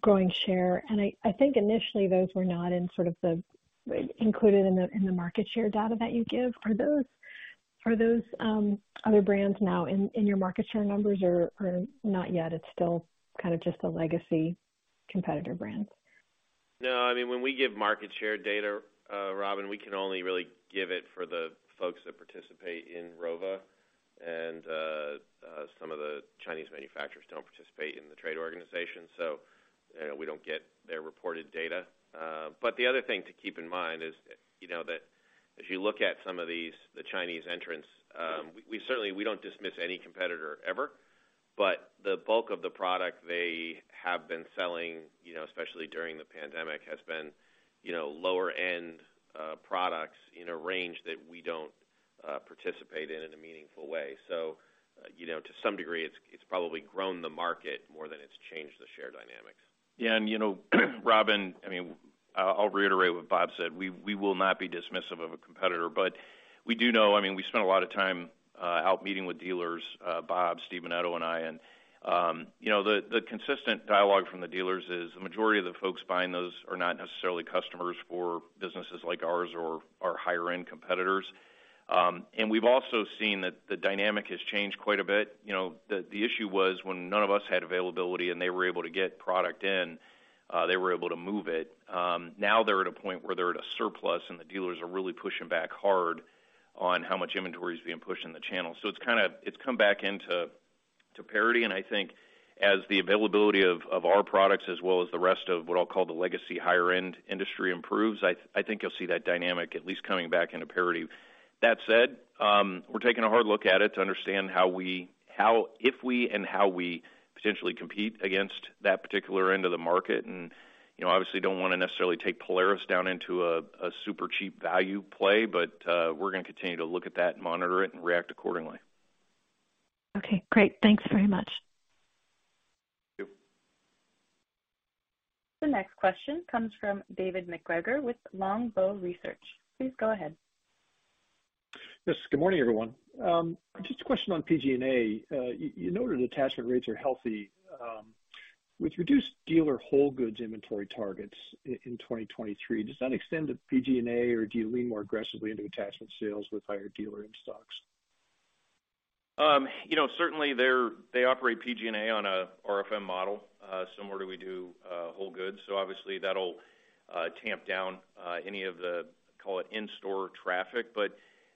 growing share. I think initially those were not included in the market share data that you give. Are those other brands now in your market share numbers or not yet, it's still kind of just the legacy competitor brands? No. I mean, when we give market share data, Robin, we can only really give it for the folks that participate in ROHVA. Some of the Chinese manufacturers don't participate in the trade organization, so, you know, we don't get their reported data. The other thing to keep in mind is, you know, that if you look at some of these, the Chinese entrants, we don't dismiss any competitor ever, but the bulk of the product they have been selling, you know, especially during the pandemic, has been, you know, lower end products in a range that we don't participate in in a meaningful way. You know, to some degree, it's probably grown the market more than it's changed the share dynamics. Yeah. You know, Robin, I mean, I'll reiterate what Bob said. We will not be dismissive of a competitor. We do know, I mean, we spent a lot of time out meeting with dealers, Bob, Steve Menneto and I, and, you know, the consistent dialogue from the dealers is the majority of the folks buying those are not necessarily customers for businesses like ours or our higher end competitors. We've also seen that the dynamic has changed quite a bit. You know, the issue was when none of us had availability and they were able to get product in, they were able to move it. Now they're at a point where they're at a surplus and the dealers are really pushing back hard on how much inventory is being pushed in the channel. it's come back into parity. I think as the availability of our products as well as the rest of what I'll call the legacy higher end industry improves, I think you'll see that dynamic at least coming back into parity. That said, we're taking a hard look at it to understand how we if we and how we potentially compete against that particular end of the market and, you know, obviously don't wanna necessarily take Polaris down into a super cheap value play, we're gonna continue to look at that and monitor it and react accordingly. Okay, great. Thanks very much. The next question comes from David MacGregor with Longbow Research. Please go ahead. Yes, good morning, everyone. Just a question on PG&A. You noted attachment rates are healthy. With reduced dealer whole goods inventory targets in 2023, does that extend to PG&A, or do you lean more aggressively into attachment sales with higher dealer in stocks? You know, certainly they operate PG&A on a RFM model, similar to we do, whole goods. Obviously that'll tamp down any of the, call it, in-store traffic.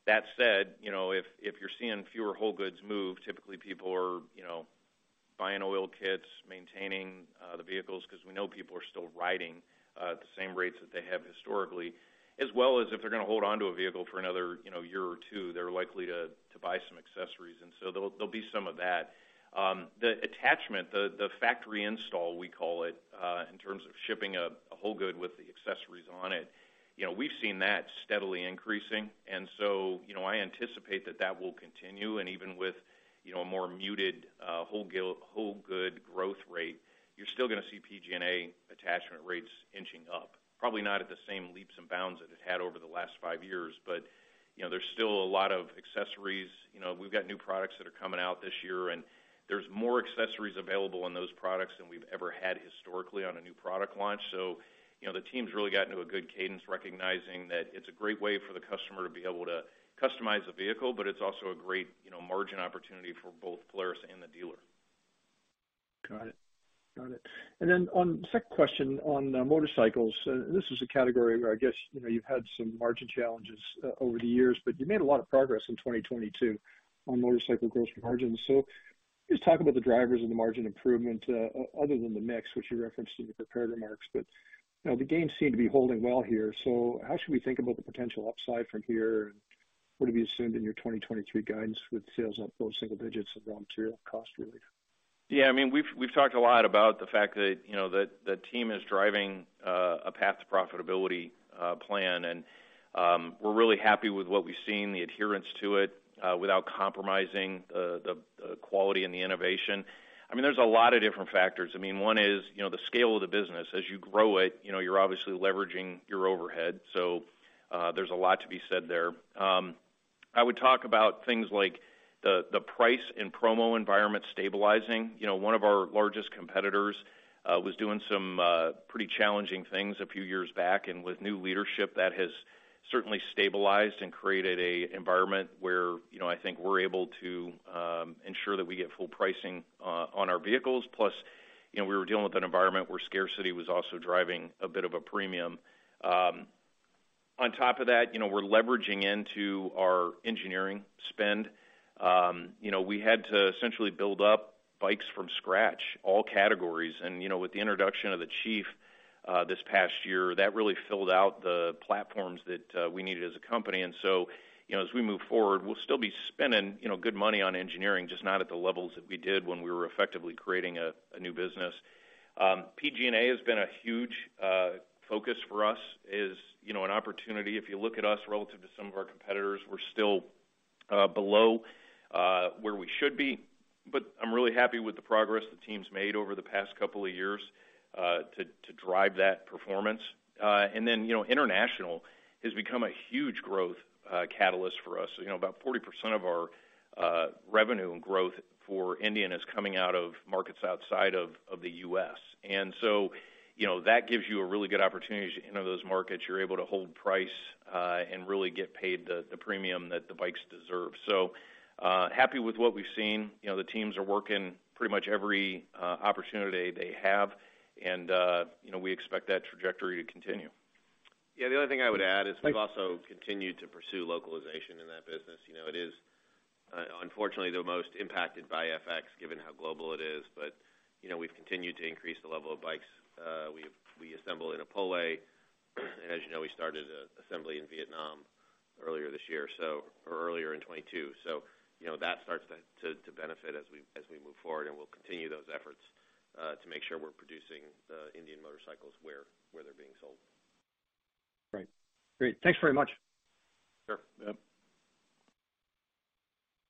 That said, you know, if you're seeing fewer whole goods move, typically people are, you know, buying oil kits, maintaining the vehicles because we know people are still riding at the same rates that they have historically. As well as if they're gonna hold onto a vehicle for another, you know, year or two, they're likely to buy some accessories, there'll be some of that. The attachment, the factory install, we call it, in terms of shipping a whole good with the accessories on it, you know, we've seen that steadily increasing. You know, I anticipate that that will continue. Even with, you know, a more muted, whole good growth rate, you're still gonna see PG&A attachment rates inching up. Probably not at the same leaps and bounds that it had over the last five years, but, you know, there's still a lot of accessories. You know, we've got new products that are coming out this year, and there's more accessories available on those products than we've ever had historically on a new product launch. You know, the team's really gotten to a good cadence recognizing that it's a great way for the customer to be able to customize the vehicle, but it's also a great, you know, margin opportunity for both Polaris and the dealer. Got it. Then on the second question on motorcycles, this is a category where I guess, you know, you've had some margin challenges over the years, but you made a lot of progress in 2022 on motorcycle gross margins. Can you just talk about the drivers of the margin improvement other than the mix which you referenced in your prepared remarks. You know, the gains seem to be holding well here. How should we think about the potential upside from here? What have you assumed in your 2023 guidance with sales up low single digits of raw material cost relief? Yeah, I mean, we've talked a lot about the fact that, you know, the team is driving a path to profitability plan. We're really happy with what we've seen, the adherence to it, without compromising the quality and the innovation. I mean, there's a lot of different factors. I mean, one is, you know, the scale of the business. As you grow it, you know, you're obviously leveraging your overhead, so there's a lot to be said there. I would talk about things like the price and promo environment stabilizing. You know, one of our largest competitors, was doing some pretty challenging things a few years back, and with new leadership, that has certainly stabilized and created a environment where, you know, I think we're able to ensure that we get full pricing on our vehicles. Plus, you know, we were dealing with an environment where scarcity was also driving a bit of a premium. On top of that, you know, we're leveraging into our engineering spend. You know, we had to essentially build up bikes from scratch, all categories. You know, with the introduction of the Chief, this past year, that really filled out the platforms that we needed as a company. You know, as we move forward, we'll still be spending, you know, good money on engineering, just not at the levels that we did when we were effectively creating a new business. PG&A has been a huge focus for us, is, you know, an opportunity. If you look at us relative to some of our competitors, we're still below where we should be. I'm really happy with the progress the team's made over the past couple of years to drive that performance. You know, international has become a huge growth catalyst for us. You know, about 40% of our revenue and growth for Indian is coming out of markets outside of the U.S. You know, that gives you a really good opportunity to enter those markets. You're able to hold price, and really get paid the premium that the bikes deserve. Happy with what we've seen. You know, the teams are working pretty much every opportunity they have, and, you know, we expect that trajectory to continue. The only thing I would add is we've also continued to pursue localization in that business. You know, it is, unfortunately the most impacted by FX, given how global it is. You know, we've continued to increase the level of bikes we assemble in Opole. As you know, we started a assembly in Vietnam earlier this year, so or earlier in 2022. You know, that starts to benefit as we move forward, and we'll continue those efforts to make sure we're producing the Indian motorcycles where they're being sold. Right. Great. Thanks very much. Sure. Yep.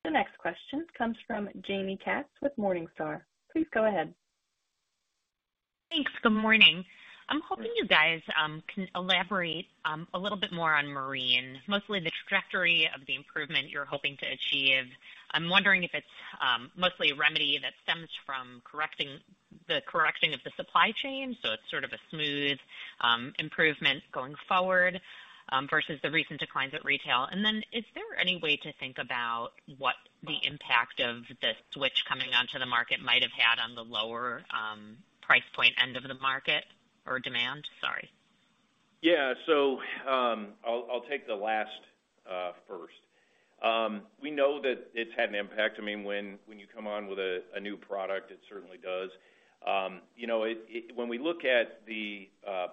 The next question comes from Jaime Katz with Morningstar. Please go ahead. Thanks. Good morning. I'm hoping you guys can elaborate a little bit more on Marine, mostly the trajectory of the improvement you're hoping to achieve. I'm wondering if it's mostly a remedy that stems from correcting of the supply chain, so it's sort of a smooth improvement going forward versus the recent declines at retail. Is there any way to think about what the impact of the Switch coming onto the market might have had on the lower price point end of the market or demand? Sorry. Yeah. I'll take the last first. We know that it's had an impact. I mean, when you come on with a new product, it certainly does. You know, when we look at the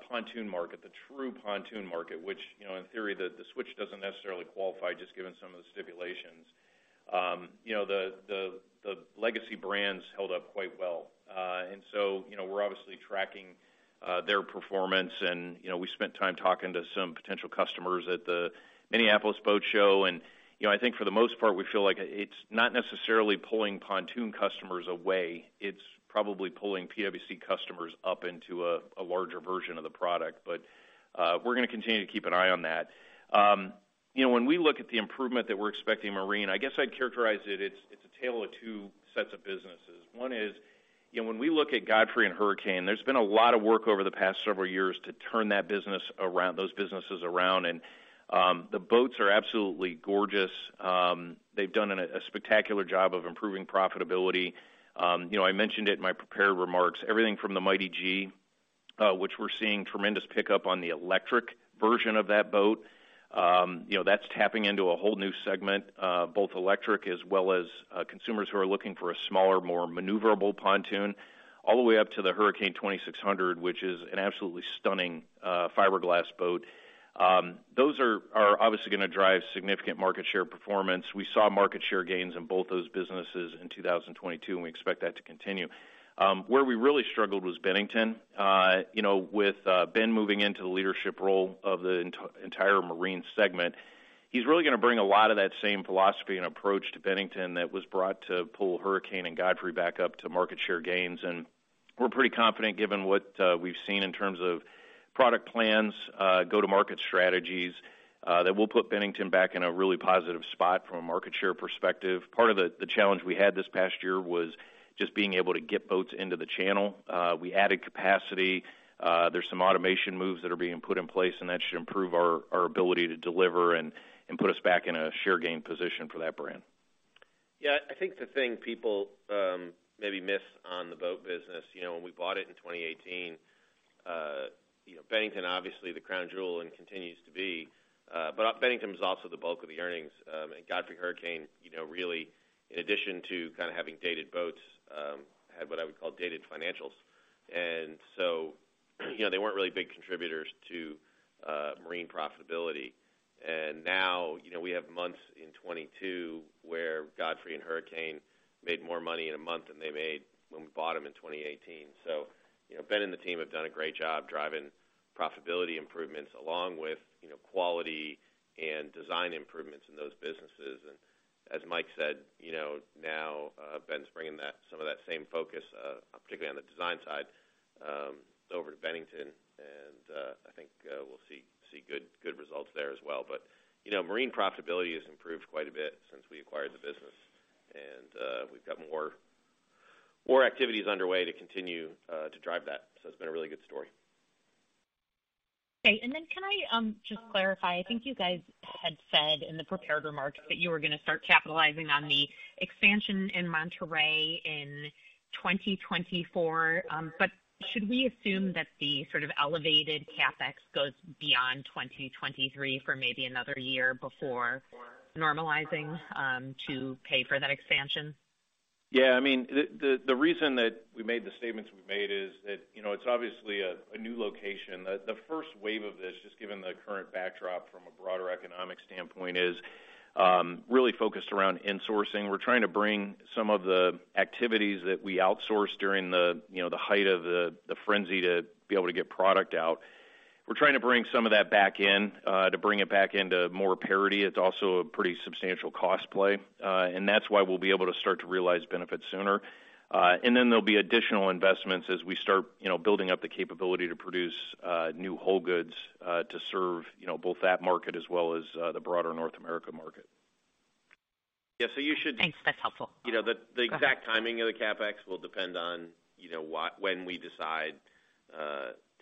pontoon market, the true pontoon market, which, you know, in theory, the Switch doesn't necessarily qualify just given some of the stipulations. You know, the legacy brands held up quite well. You know, we're obviously tracking their performance and, you know, we spent time talking to some potential customers at the Minneapolis Boat Show. You know, I think for the most part, we feel like it's not necessarily pulling pontoon customers away. It's probably pulling PWC customers up into a larger version of the product. We're gonna continue to keep an eye on that. You know, when we look at the improvement that we're expecting in marine, I guess I'd characterize it's, it's a tale of two sets of businesses. One is, you know, when we look at Godfrey and Hurricane, there's been a lot of work over the past several years to turn those businesses around, and the boats are absolutely gorgeous. They've done a spectacular job of improving profitability. You know, I mentioned it in my prepared remarks, everything from the Mighty G, which we're seeing tremendous pickup on the electric version of that boat. You know, that's tapping into a whole new segment, both electric as well as consumers who are looking for a smaller, more maneuverable pontoon, all the way up to the Hurricane 2600, which is an absolutely stunning fiberglass boat. Those are obviously gonna drive significant market share performance. We saw market share gains in both those businesses in 2022, and we expect that to continue. Where we really struggled was Bennington. You know, with Ben moving into the leadership role of the entire marine segment, he's really gonna bring a lot of that same philosophy and approach to Bennington that was brought to pull Hurricane and Godfrey back up to market share gains. We're pretty confident, given what we've seen in terms of product plans, go-to-market strategies, that we'll put Bennington back in a really positive spot from a market share perspective. Part of the challenge we had this past year was just being able to get boats into the channel. We added capacity. There's some automation moves that are being put in place, and that should improve our ability to deliver and put us back in a share gain position for that brand. Yeah. I think the thing people, you know, maybe miss on the boat business, you know, when we bought it in 2018, you know, Bennington, obviously the crown jewel and continues to be, but Bennington was also the bulk of the earnings. Godfrey and Hurricane, you know, really, in addition to kind of having dated boats, had what I would call dated financials. You know, they weren't really big contributors to marine profitability. Now, you know, we have months in 2022 where Godfrey and Hurricane made more money in a month than they made when we bought them in 2018. You know, Ben and the team have done a great job driving profitability improvements, along with, you know, quality and design improvements in those businesses. As Mike said, you know, now, Ben's bringing some of that same focus, particularly on the design side, over to Bennington, and, I think, we'll see good results there as well. You know, marine profitability has improved quite a bit since we acquired the business, and, we've got more activities underway to continue to drive that. It's been a really good story. Okay. Then can I just clarify? I think you guys had said in the prepared remarks that you were gonna start capitalizing on the expansion in Monterrey in 2024. Should we assume that the sort of elevated CapEx goes beyond 2023 for maybe another year before normalizing to pay for that expansion? Yeah. I mean, the reason that we made the statements we made is that, you know, it's obviously a new location. The first wave of this, just given the current backdrop from a broader economic standpoint, is really focused around insourcing. We're trying to bring some of the activities that we outsourced during the, you know, the height of the frenzy to be able to get product out. We're trying to bring some of that back in to bring it back into more parity. It's also a pretty substantial cost play, and that's why we'll be able to start to realize benefits sooner. Then there'll be additional investments as we start, you know, building up the capability to produce new whole goods to serve, you know, both that market as well as the broader North America market. Yeah. you should- Thanks. That's helpful. You know. Go ahead. The exact timing of the CapEx will depend on, you know, when we decide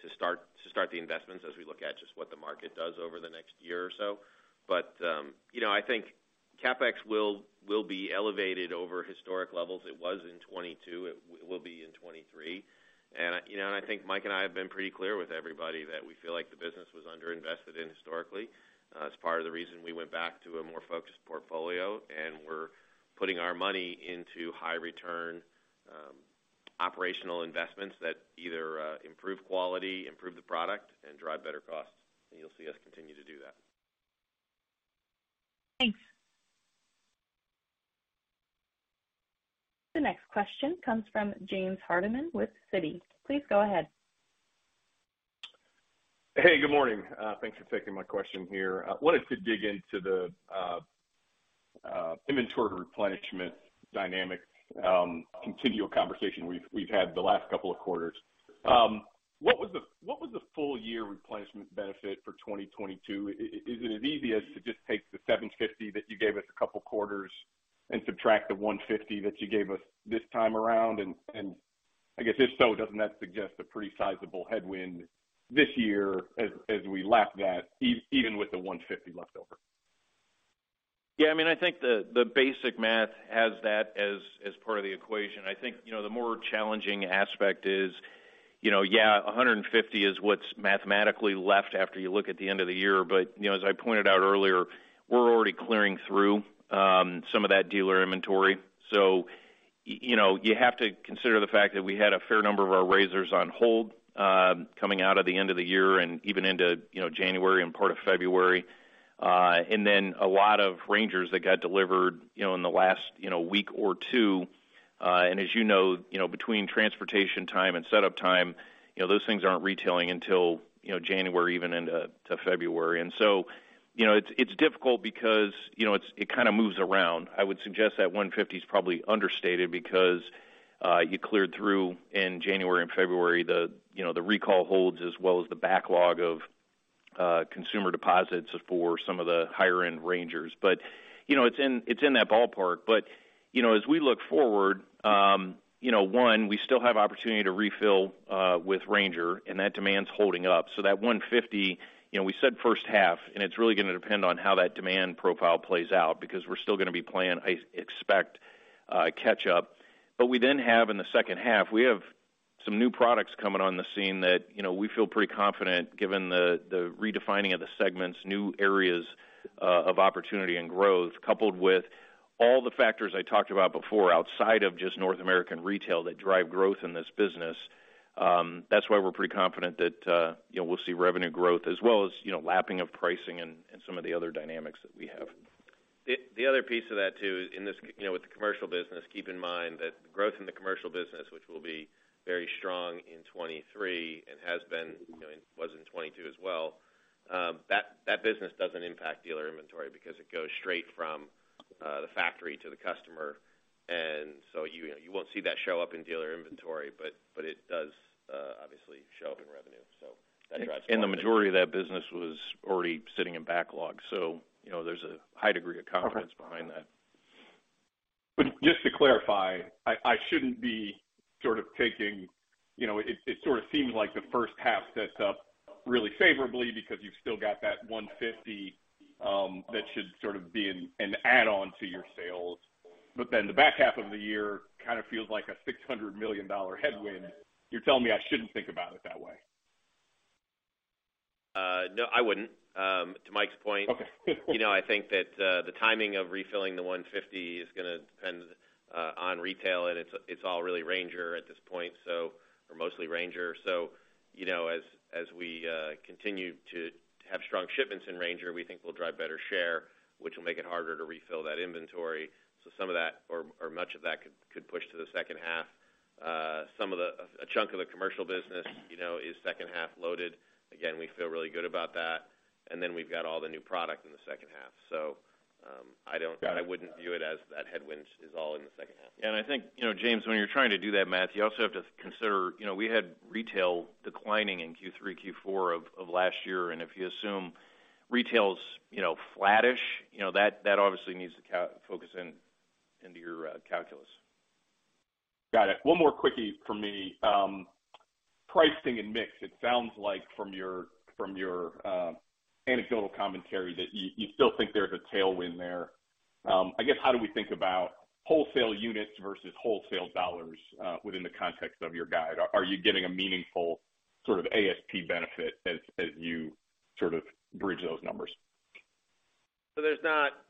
to start the investments as we look at just what the market does over the next year or so. You know, I think CapEx will be elevated over historic levels. It was in 2022. It will be in 2023. You know, and I think Mike and I have been pretty clear with everybody that we feel like the business was underinvested in historically. It's part of the reason we went back to a more focused portfolio, and we're putting our money into high return, operational investments that either, improve quality, improve the product, and drive better costs. You'll see us continue to do that. Thanks. The next question comes from James Hardiman with Citi. Please go ahead. Hey, good morning. Thanks for taking my question here. I wanted to dig into the inventory replenishment dynamic, continual conversation we've had the last couple of quarters. What was the full year replenishment benefit for 2022? Is it as easy as to just take the $750 that you gave us a couple quarters and subtract the $150 that you gave us this time around? I guess, if so, doesn't that suggest a pretty sizable headwind this year as we lap that even with the $150 leftover? Yeah. I mean, I think the basic math has that as part of the equation. I think, you know, the more challenging aspect is, you know, yeah, 150 is what's mathematically left after you look at the end of the year. You know, as I pointed out earlier, we're already clearing through some of that dealer inventory. You know, you have to consider the fact that we had a fair number of our RZRs on hold coming out of the end of the year and even into, you know, January and part of February. A lot of RANGERs that got delivered, you know, in the last, you know, week or two. As you know, you know, between transportation time and setup time, you know, those things aren't retailing until, you know, January, even into February. You know, it's difficult because, you know, it kind of moves around. I would suggest that 150 is probably understated because, you cleared through in January and February the, you know, the recall holds as well as the backlog of consumer deposits for some of the higher-end RANGERs. you know, it's in, it's in that ballpark. you know, as we look forward, you know, one, we still have opportunity to refill, with RANGER, and that demand's holding up. That 150, you know, we said first half, and it's really gonna depend on how that demand profile plays out because we're still gonna be playing, I expect, catch up. We then have in the second half, we have some new products coming on the scene that, you know, we feel pretty confident, given the redefining of the segments, new areas of opportunity and growth, coupled with all the factors I talked about before outside of just North American retail that drive growth in this business. That's why we're pretty confident that, you know, we'll see revenue growth as well as, you know, lapping of pricing and some of the other dynamics that we have. The other piece of that too, you know, with the commercial business, keep in mind that growth in the commercial business, which will be very strong in 2023 and has been, you know, and was in 2022 as well, that business doesn't impact dealer inventory because it goes straight from the factory to the customer. You, you know, you won't see that show up in dealer inventory, but it does obviously show up in revenue. That drives- The majority of that business was already sitting in backlog. You know, there's a high degree of confidence behind that. Just to clarify, I shouldn't be sort of taking. You know, it sort of seems like the first half sets up really favorably because you've still got that 150 that should sort of be an add-on to your sales. Then the back half of the year kind of feels like a $600 million headwind. You're telling me I shouldn't think about it that way? no, I wouldn't. to Mike's point- Okay. You know, I think that, the timing of refilling the 150 is gonna depend on retail, and it's all really RANGER at this point, so or mostly RANGER. You know, as we continue to have strong shipments in RANGER, we think we'll drive better share, which will make it harder to refill that inventory. Some of that or much of that could push to the second half. A chunk of the commercial business, you know, is second half loaded. Again, we feel really good about that. We've got all the new product in the second half. I don't Got it. I wouldn't view it as that headwind is all in the second half. I think, you know, James, when you're trying to do that math, you also have to consider, you know, we had retail declining in Q3, Q4 of last year. If you assume retail's, you know, flattish, you know, that obviously needs to focus in, into your calculus. Got it. One more quickie for me. Pricing and mix, it sounds like from your anecdotal commentary that you still think there's a tailwind there. I guess, how do we think about wholesale units versus wholesale dollars within the context of your guide? Are you getting a meaningful sort of ASP benefit as you sort of bridge those numbers?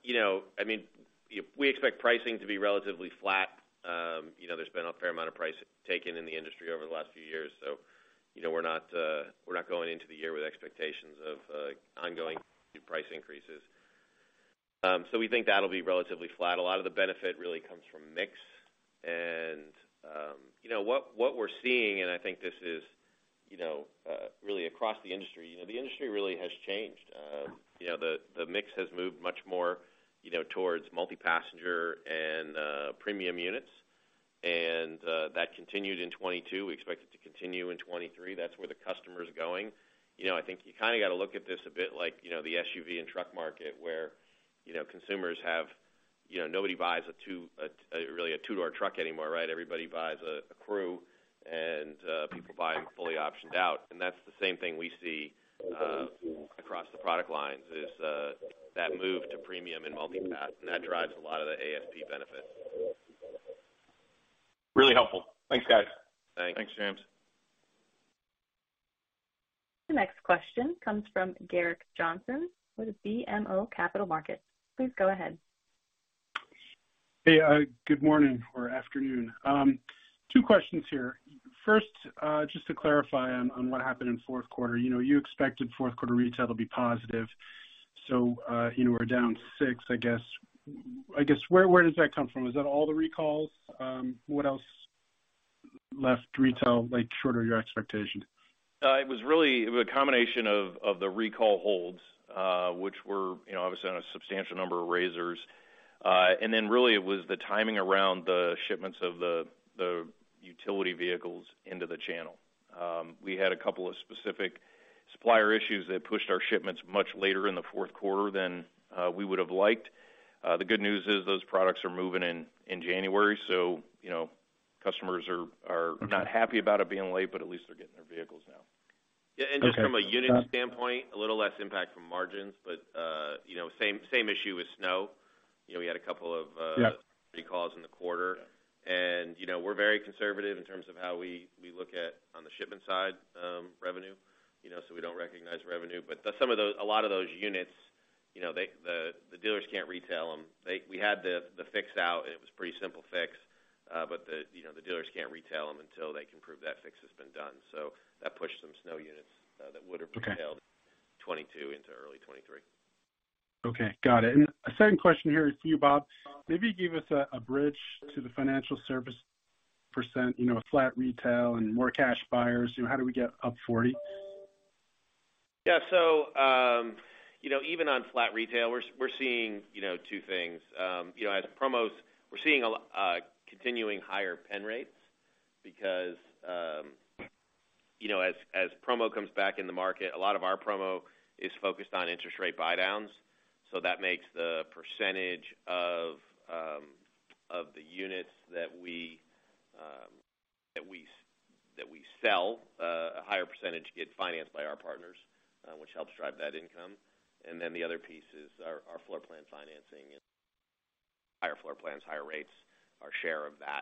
You know, I mean, we expect pricing to be relatively flat. You know, there's been a fair amount of price taken in the industry over the last few years, you know, we're not going into the year with expectations of ongoing price increases. We think that'll be relatively flat. A lot of the benefit really comes from mix. What we're seeing, and I think this is, you know, really across the industry, you know, the industry really has changed. You know, the mix has moved much more, you know, towards multi-passenger and premium units. That continued in 2022. We expect it to continue in 2023. That's where the customer's going. You know, I think you kind of got to look at this a bit like, you know, the SUV and truck market where, you know, consumers have. You know, nobody buys a two-door truck anymore, right? Everybody buys a crew and people buy fully optioned out. That's the same thing we see across the product lines, is that move to premium and multi-path, and that drives a lot of the ASP benefits. Really helpful. Thanks, guys. Thanks. Thanks, James. The next question comes from Gerrick Johnson with BMO Capital Markets. Please go ahead. Hey, good morning or afternoon. Two questions here. First, just to clarify on what happened in fourth quarter. You know, you expected fourth quarter retail to be positive, you know, we're down 6%, I guess. I guess, where does that come from? Is that all the recalls? What else left retail, like, short of your expectations? It was really a combination of the recall holds, which were, you know, obviously on a substantial number of RZR. Really it was the timing around the shipments of the utility vehicles into the channel. We had a couple of specific supplier issues that pushed our shipments much later in the fourth quarter than we would have liked. The good news is those products are moving in January. You know, customers are not happy about it being late, but at least they're getting their vehicles now. Okay. Got it. Yeah. Just from a unit standpoint, a little less impact from margins, but, you know, same issue with snow. You know, we had a couple of. Yeah... recalls in the quarter. You know, we're very conservative in terms of how we look at on the shipment side, revenue, you know, so we don't recognize revenue. A lot of those units, you know, the dealers can't retail them. We had the fix out, and it was pretty simple fix, but, you know, the dealers can't retail them until they can prove that fix has been done. That pushed some snow units that would have retailed Okay... 2022 into early 2023. Okay. Got it. Second question here is for you, Bob. Maybe give us a bridge to the financial service percentage, you know, flat retail and more cash buyers, you know, how do we get up 40? Yeah. So, um- You know, even on flat retail, we're seeing, you know, two things. You know, as promos, we're seeing continuing higher pen rates because, you know, as promo comes back in the market, a lot of our promo is focused on interest rate buydowns, so that makes the percentage of the units that we sell a higher percenatage get financed by our partners, which helps drive that income. The other piece is our floorplan financing. Higher floorplans, higher rates. Our share of that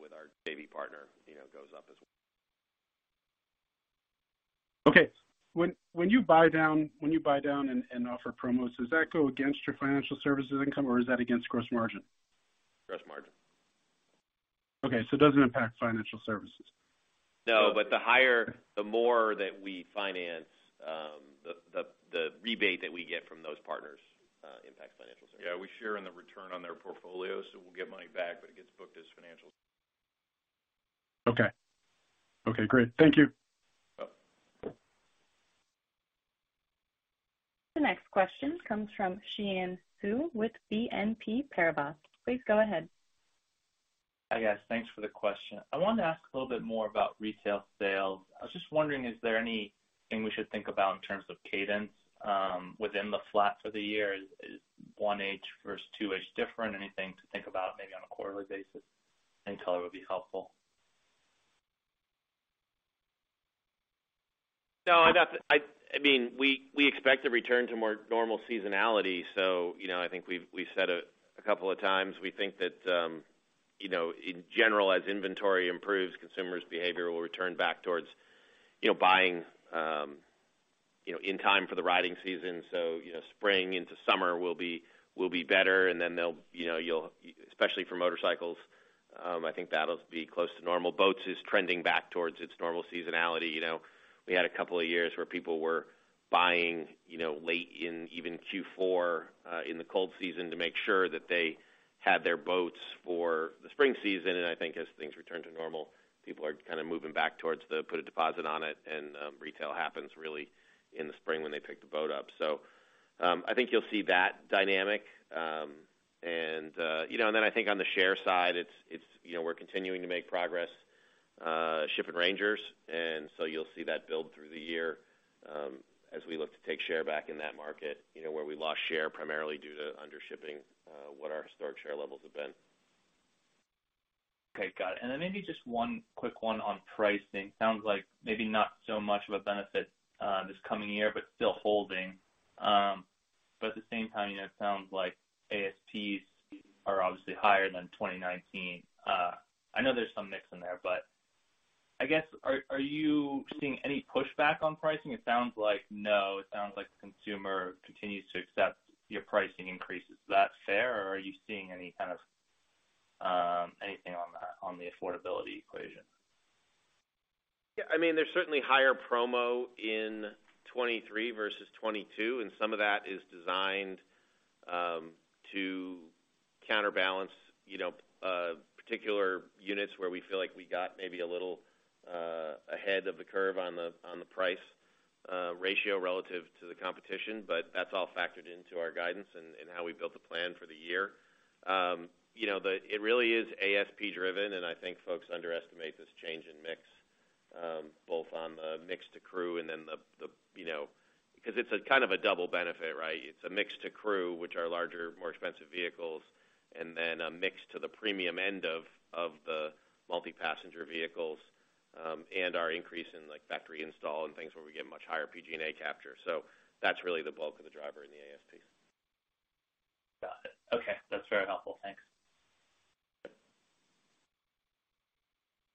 with our JV partner, you know, goes up as well. Okay. When you buy down and offer promos, does that go against your financial services income, or is that against gross margin? Gross margin. Okay. It doesn't impact financial services. The higher the more that we finance, the rebate that we get from those partners, impacts financial services. We share in the return on their portfolio, so we'll get money back, but it gets booked as financial. Okay. Okay, great. Thank you. Yep. The next question comes from Xian Siew with BNP Paribas. Please go ahead. Hi, guys. Thanks for the question. I wanted to ask a little bit more about retail sales. I was just wondering, is there anything we should think about in terms of cadence within the flat for the year? Is 1H versus 2H different? Anything to think about maybe on a quarterly basis, any color would be helpful. No, not I mean, we expect to return to more normal seasonality. you know, I think we've said it a couple of times. We think that, you know, in general, as inventory improves, consumers' behavior will return back towards, you know, buying, you know, in time for the riding season. you know, spring into summer will be better. then they'll, you know. Especially for motorcycles, I think that'll be close to normal. Boats is trending back towards its normal seasonality. You know, we had a couple of years where people were buying, you know, late in even Q4, in the cold season to make sure that they had their boats for the spring season. I think as things return to normal, people are kinda moving back towards the put a deposit on it and retail happens really in the spring when they pick the boat up. I think you'll see that dynamic. You know, and then I think on the share side, it's, you know, we're continuing to make progress, shipping RANGERs, and so you'll see that build through the year, as we look to take share back in that market, you know, where we lost share primarily due to under shipping, what our historic share levels have been. Okay, got it. Then maybe just one quick one on pricing. Sounds like maybe not so much of a benefit this coming year, but still holding. At the same time, you know, it sounds like ASPs are obviously higher than 2019. I know there's some mix in there, but I guess are you seeing any pushback on pricing? It sounds like no. It sounds like the consumer continues to accept your pricing increases. Is that fair, or are you seeing any kind of anything on that, on the affordability equation? Yeah, I mean, there's certainly higher promo in 2023 versus 2022, and some of that is designed to counterbalance, you know, particular units where we feel like we got maybe a little ahead of the curve on the, on the price ratio relative to the competition. That's all factored into our guidance and how we built the plan for the year. It really is ASP driven, and I think folks underestimate this change in mix, both on the mix to crew and then the, you know, 'cause it's a kind of a double benefit, right? It's a mix to crew, which are larger, more expensive vehicles, and then a mix to the premium end of the multi-passenger vehicles, and our increase in like factory install and things where we get much higher PG&A capture. That's really the bulk of the driver in the ASPs. Got it. Okay. That's very helpful. Thanks.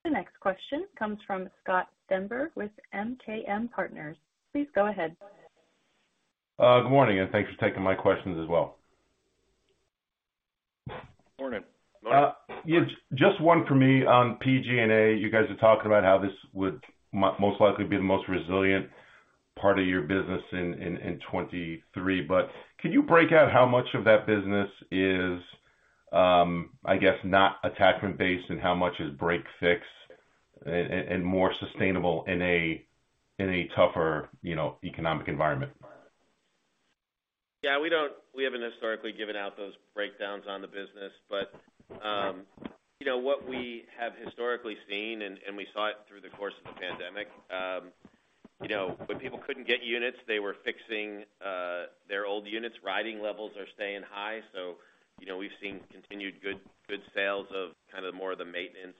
The next question comes from Scott Stember with MKM Partners. Please go ahead. Good morning, thanks for taking my questions as well. Morning. Yeah, just one for me on PG&A. You guys are talking about how this would most likely be the most resilient part of your business in 2023. Can you break out how much of that business is, I guess, not attachment based, and how much is break/fix and more sustainable in a tougher, you know, economic environment? Yeah, we don't, we haven't historically given out those breakdowns on the business. You know, what we have historically seen, and we saw it through the course of the pandemic, you know, when people couldn't get units, they were fixing their old units. Riding levels are staying high. You know, we've seen continued good sales of kind of more of the maintenance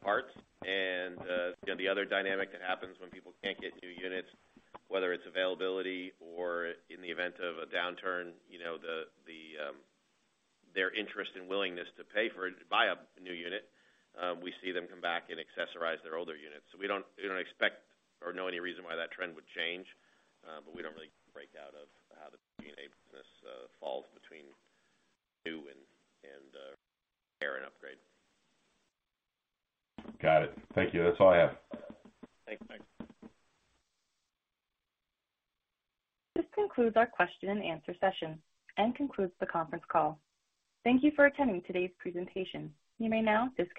parts. You know, the other dynamic that happens when people can't get new units, whether it's availability or in the event of a downturn, you know, the, their interest and willingness to pay for it, to buy a new unit, we see them come back and accessorize their older units. We don't expect or know any reason why that trend would change, but we don't really break out of how the PG&A business falls between new and repair and upgrade. Got it. Thank you. That's all I have. Thanks. This concludes our question and answer session and concludes the conference call. Thank you for attending today's presentation. You may now disconnect.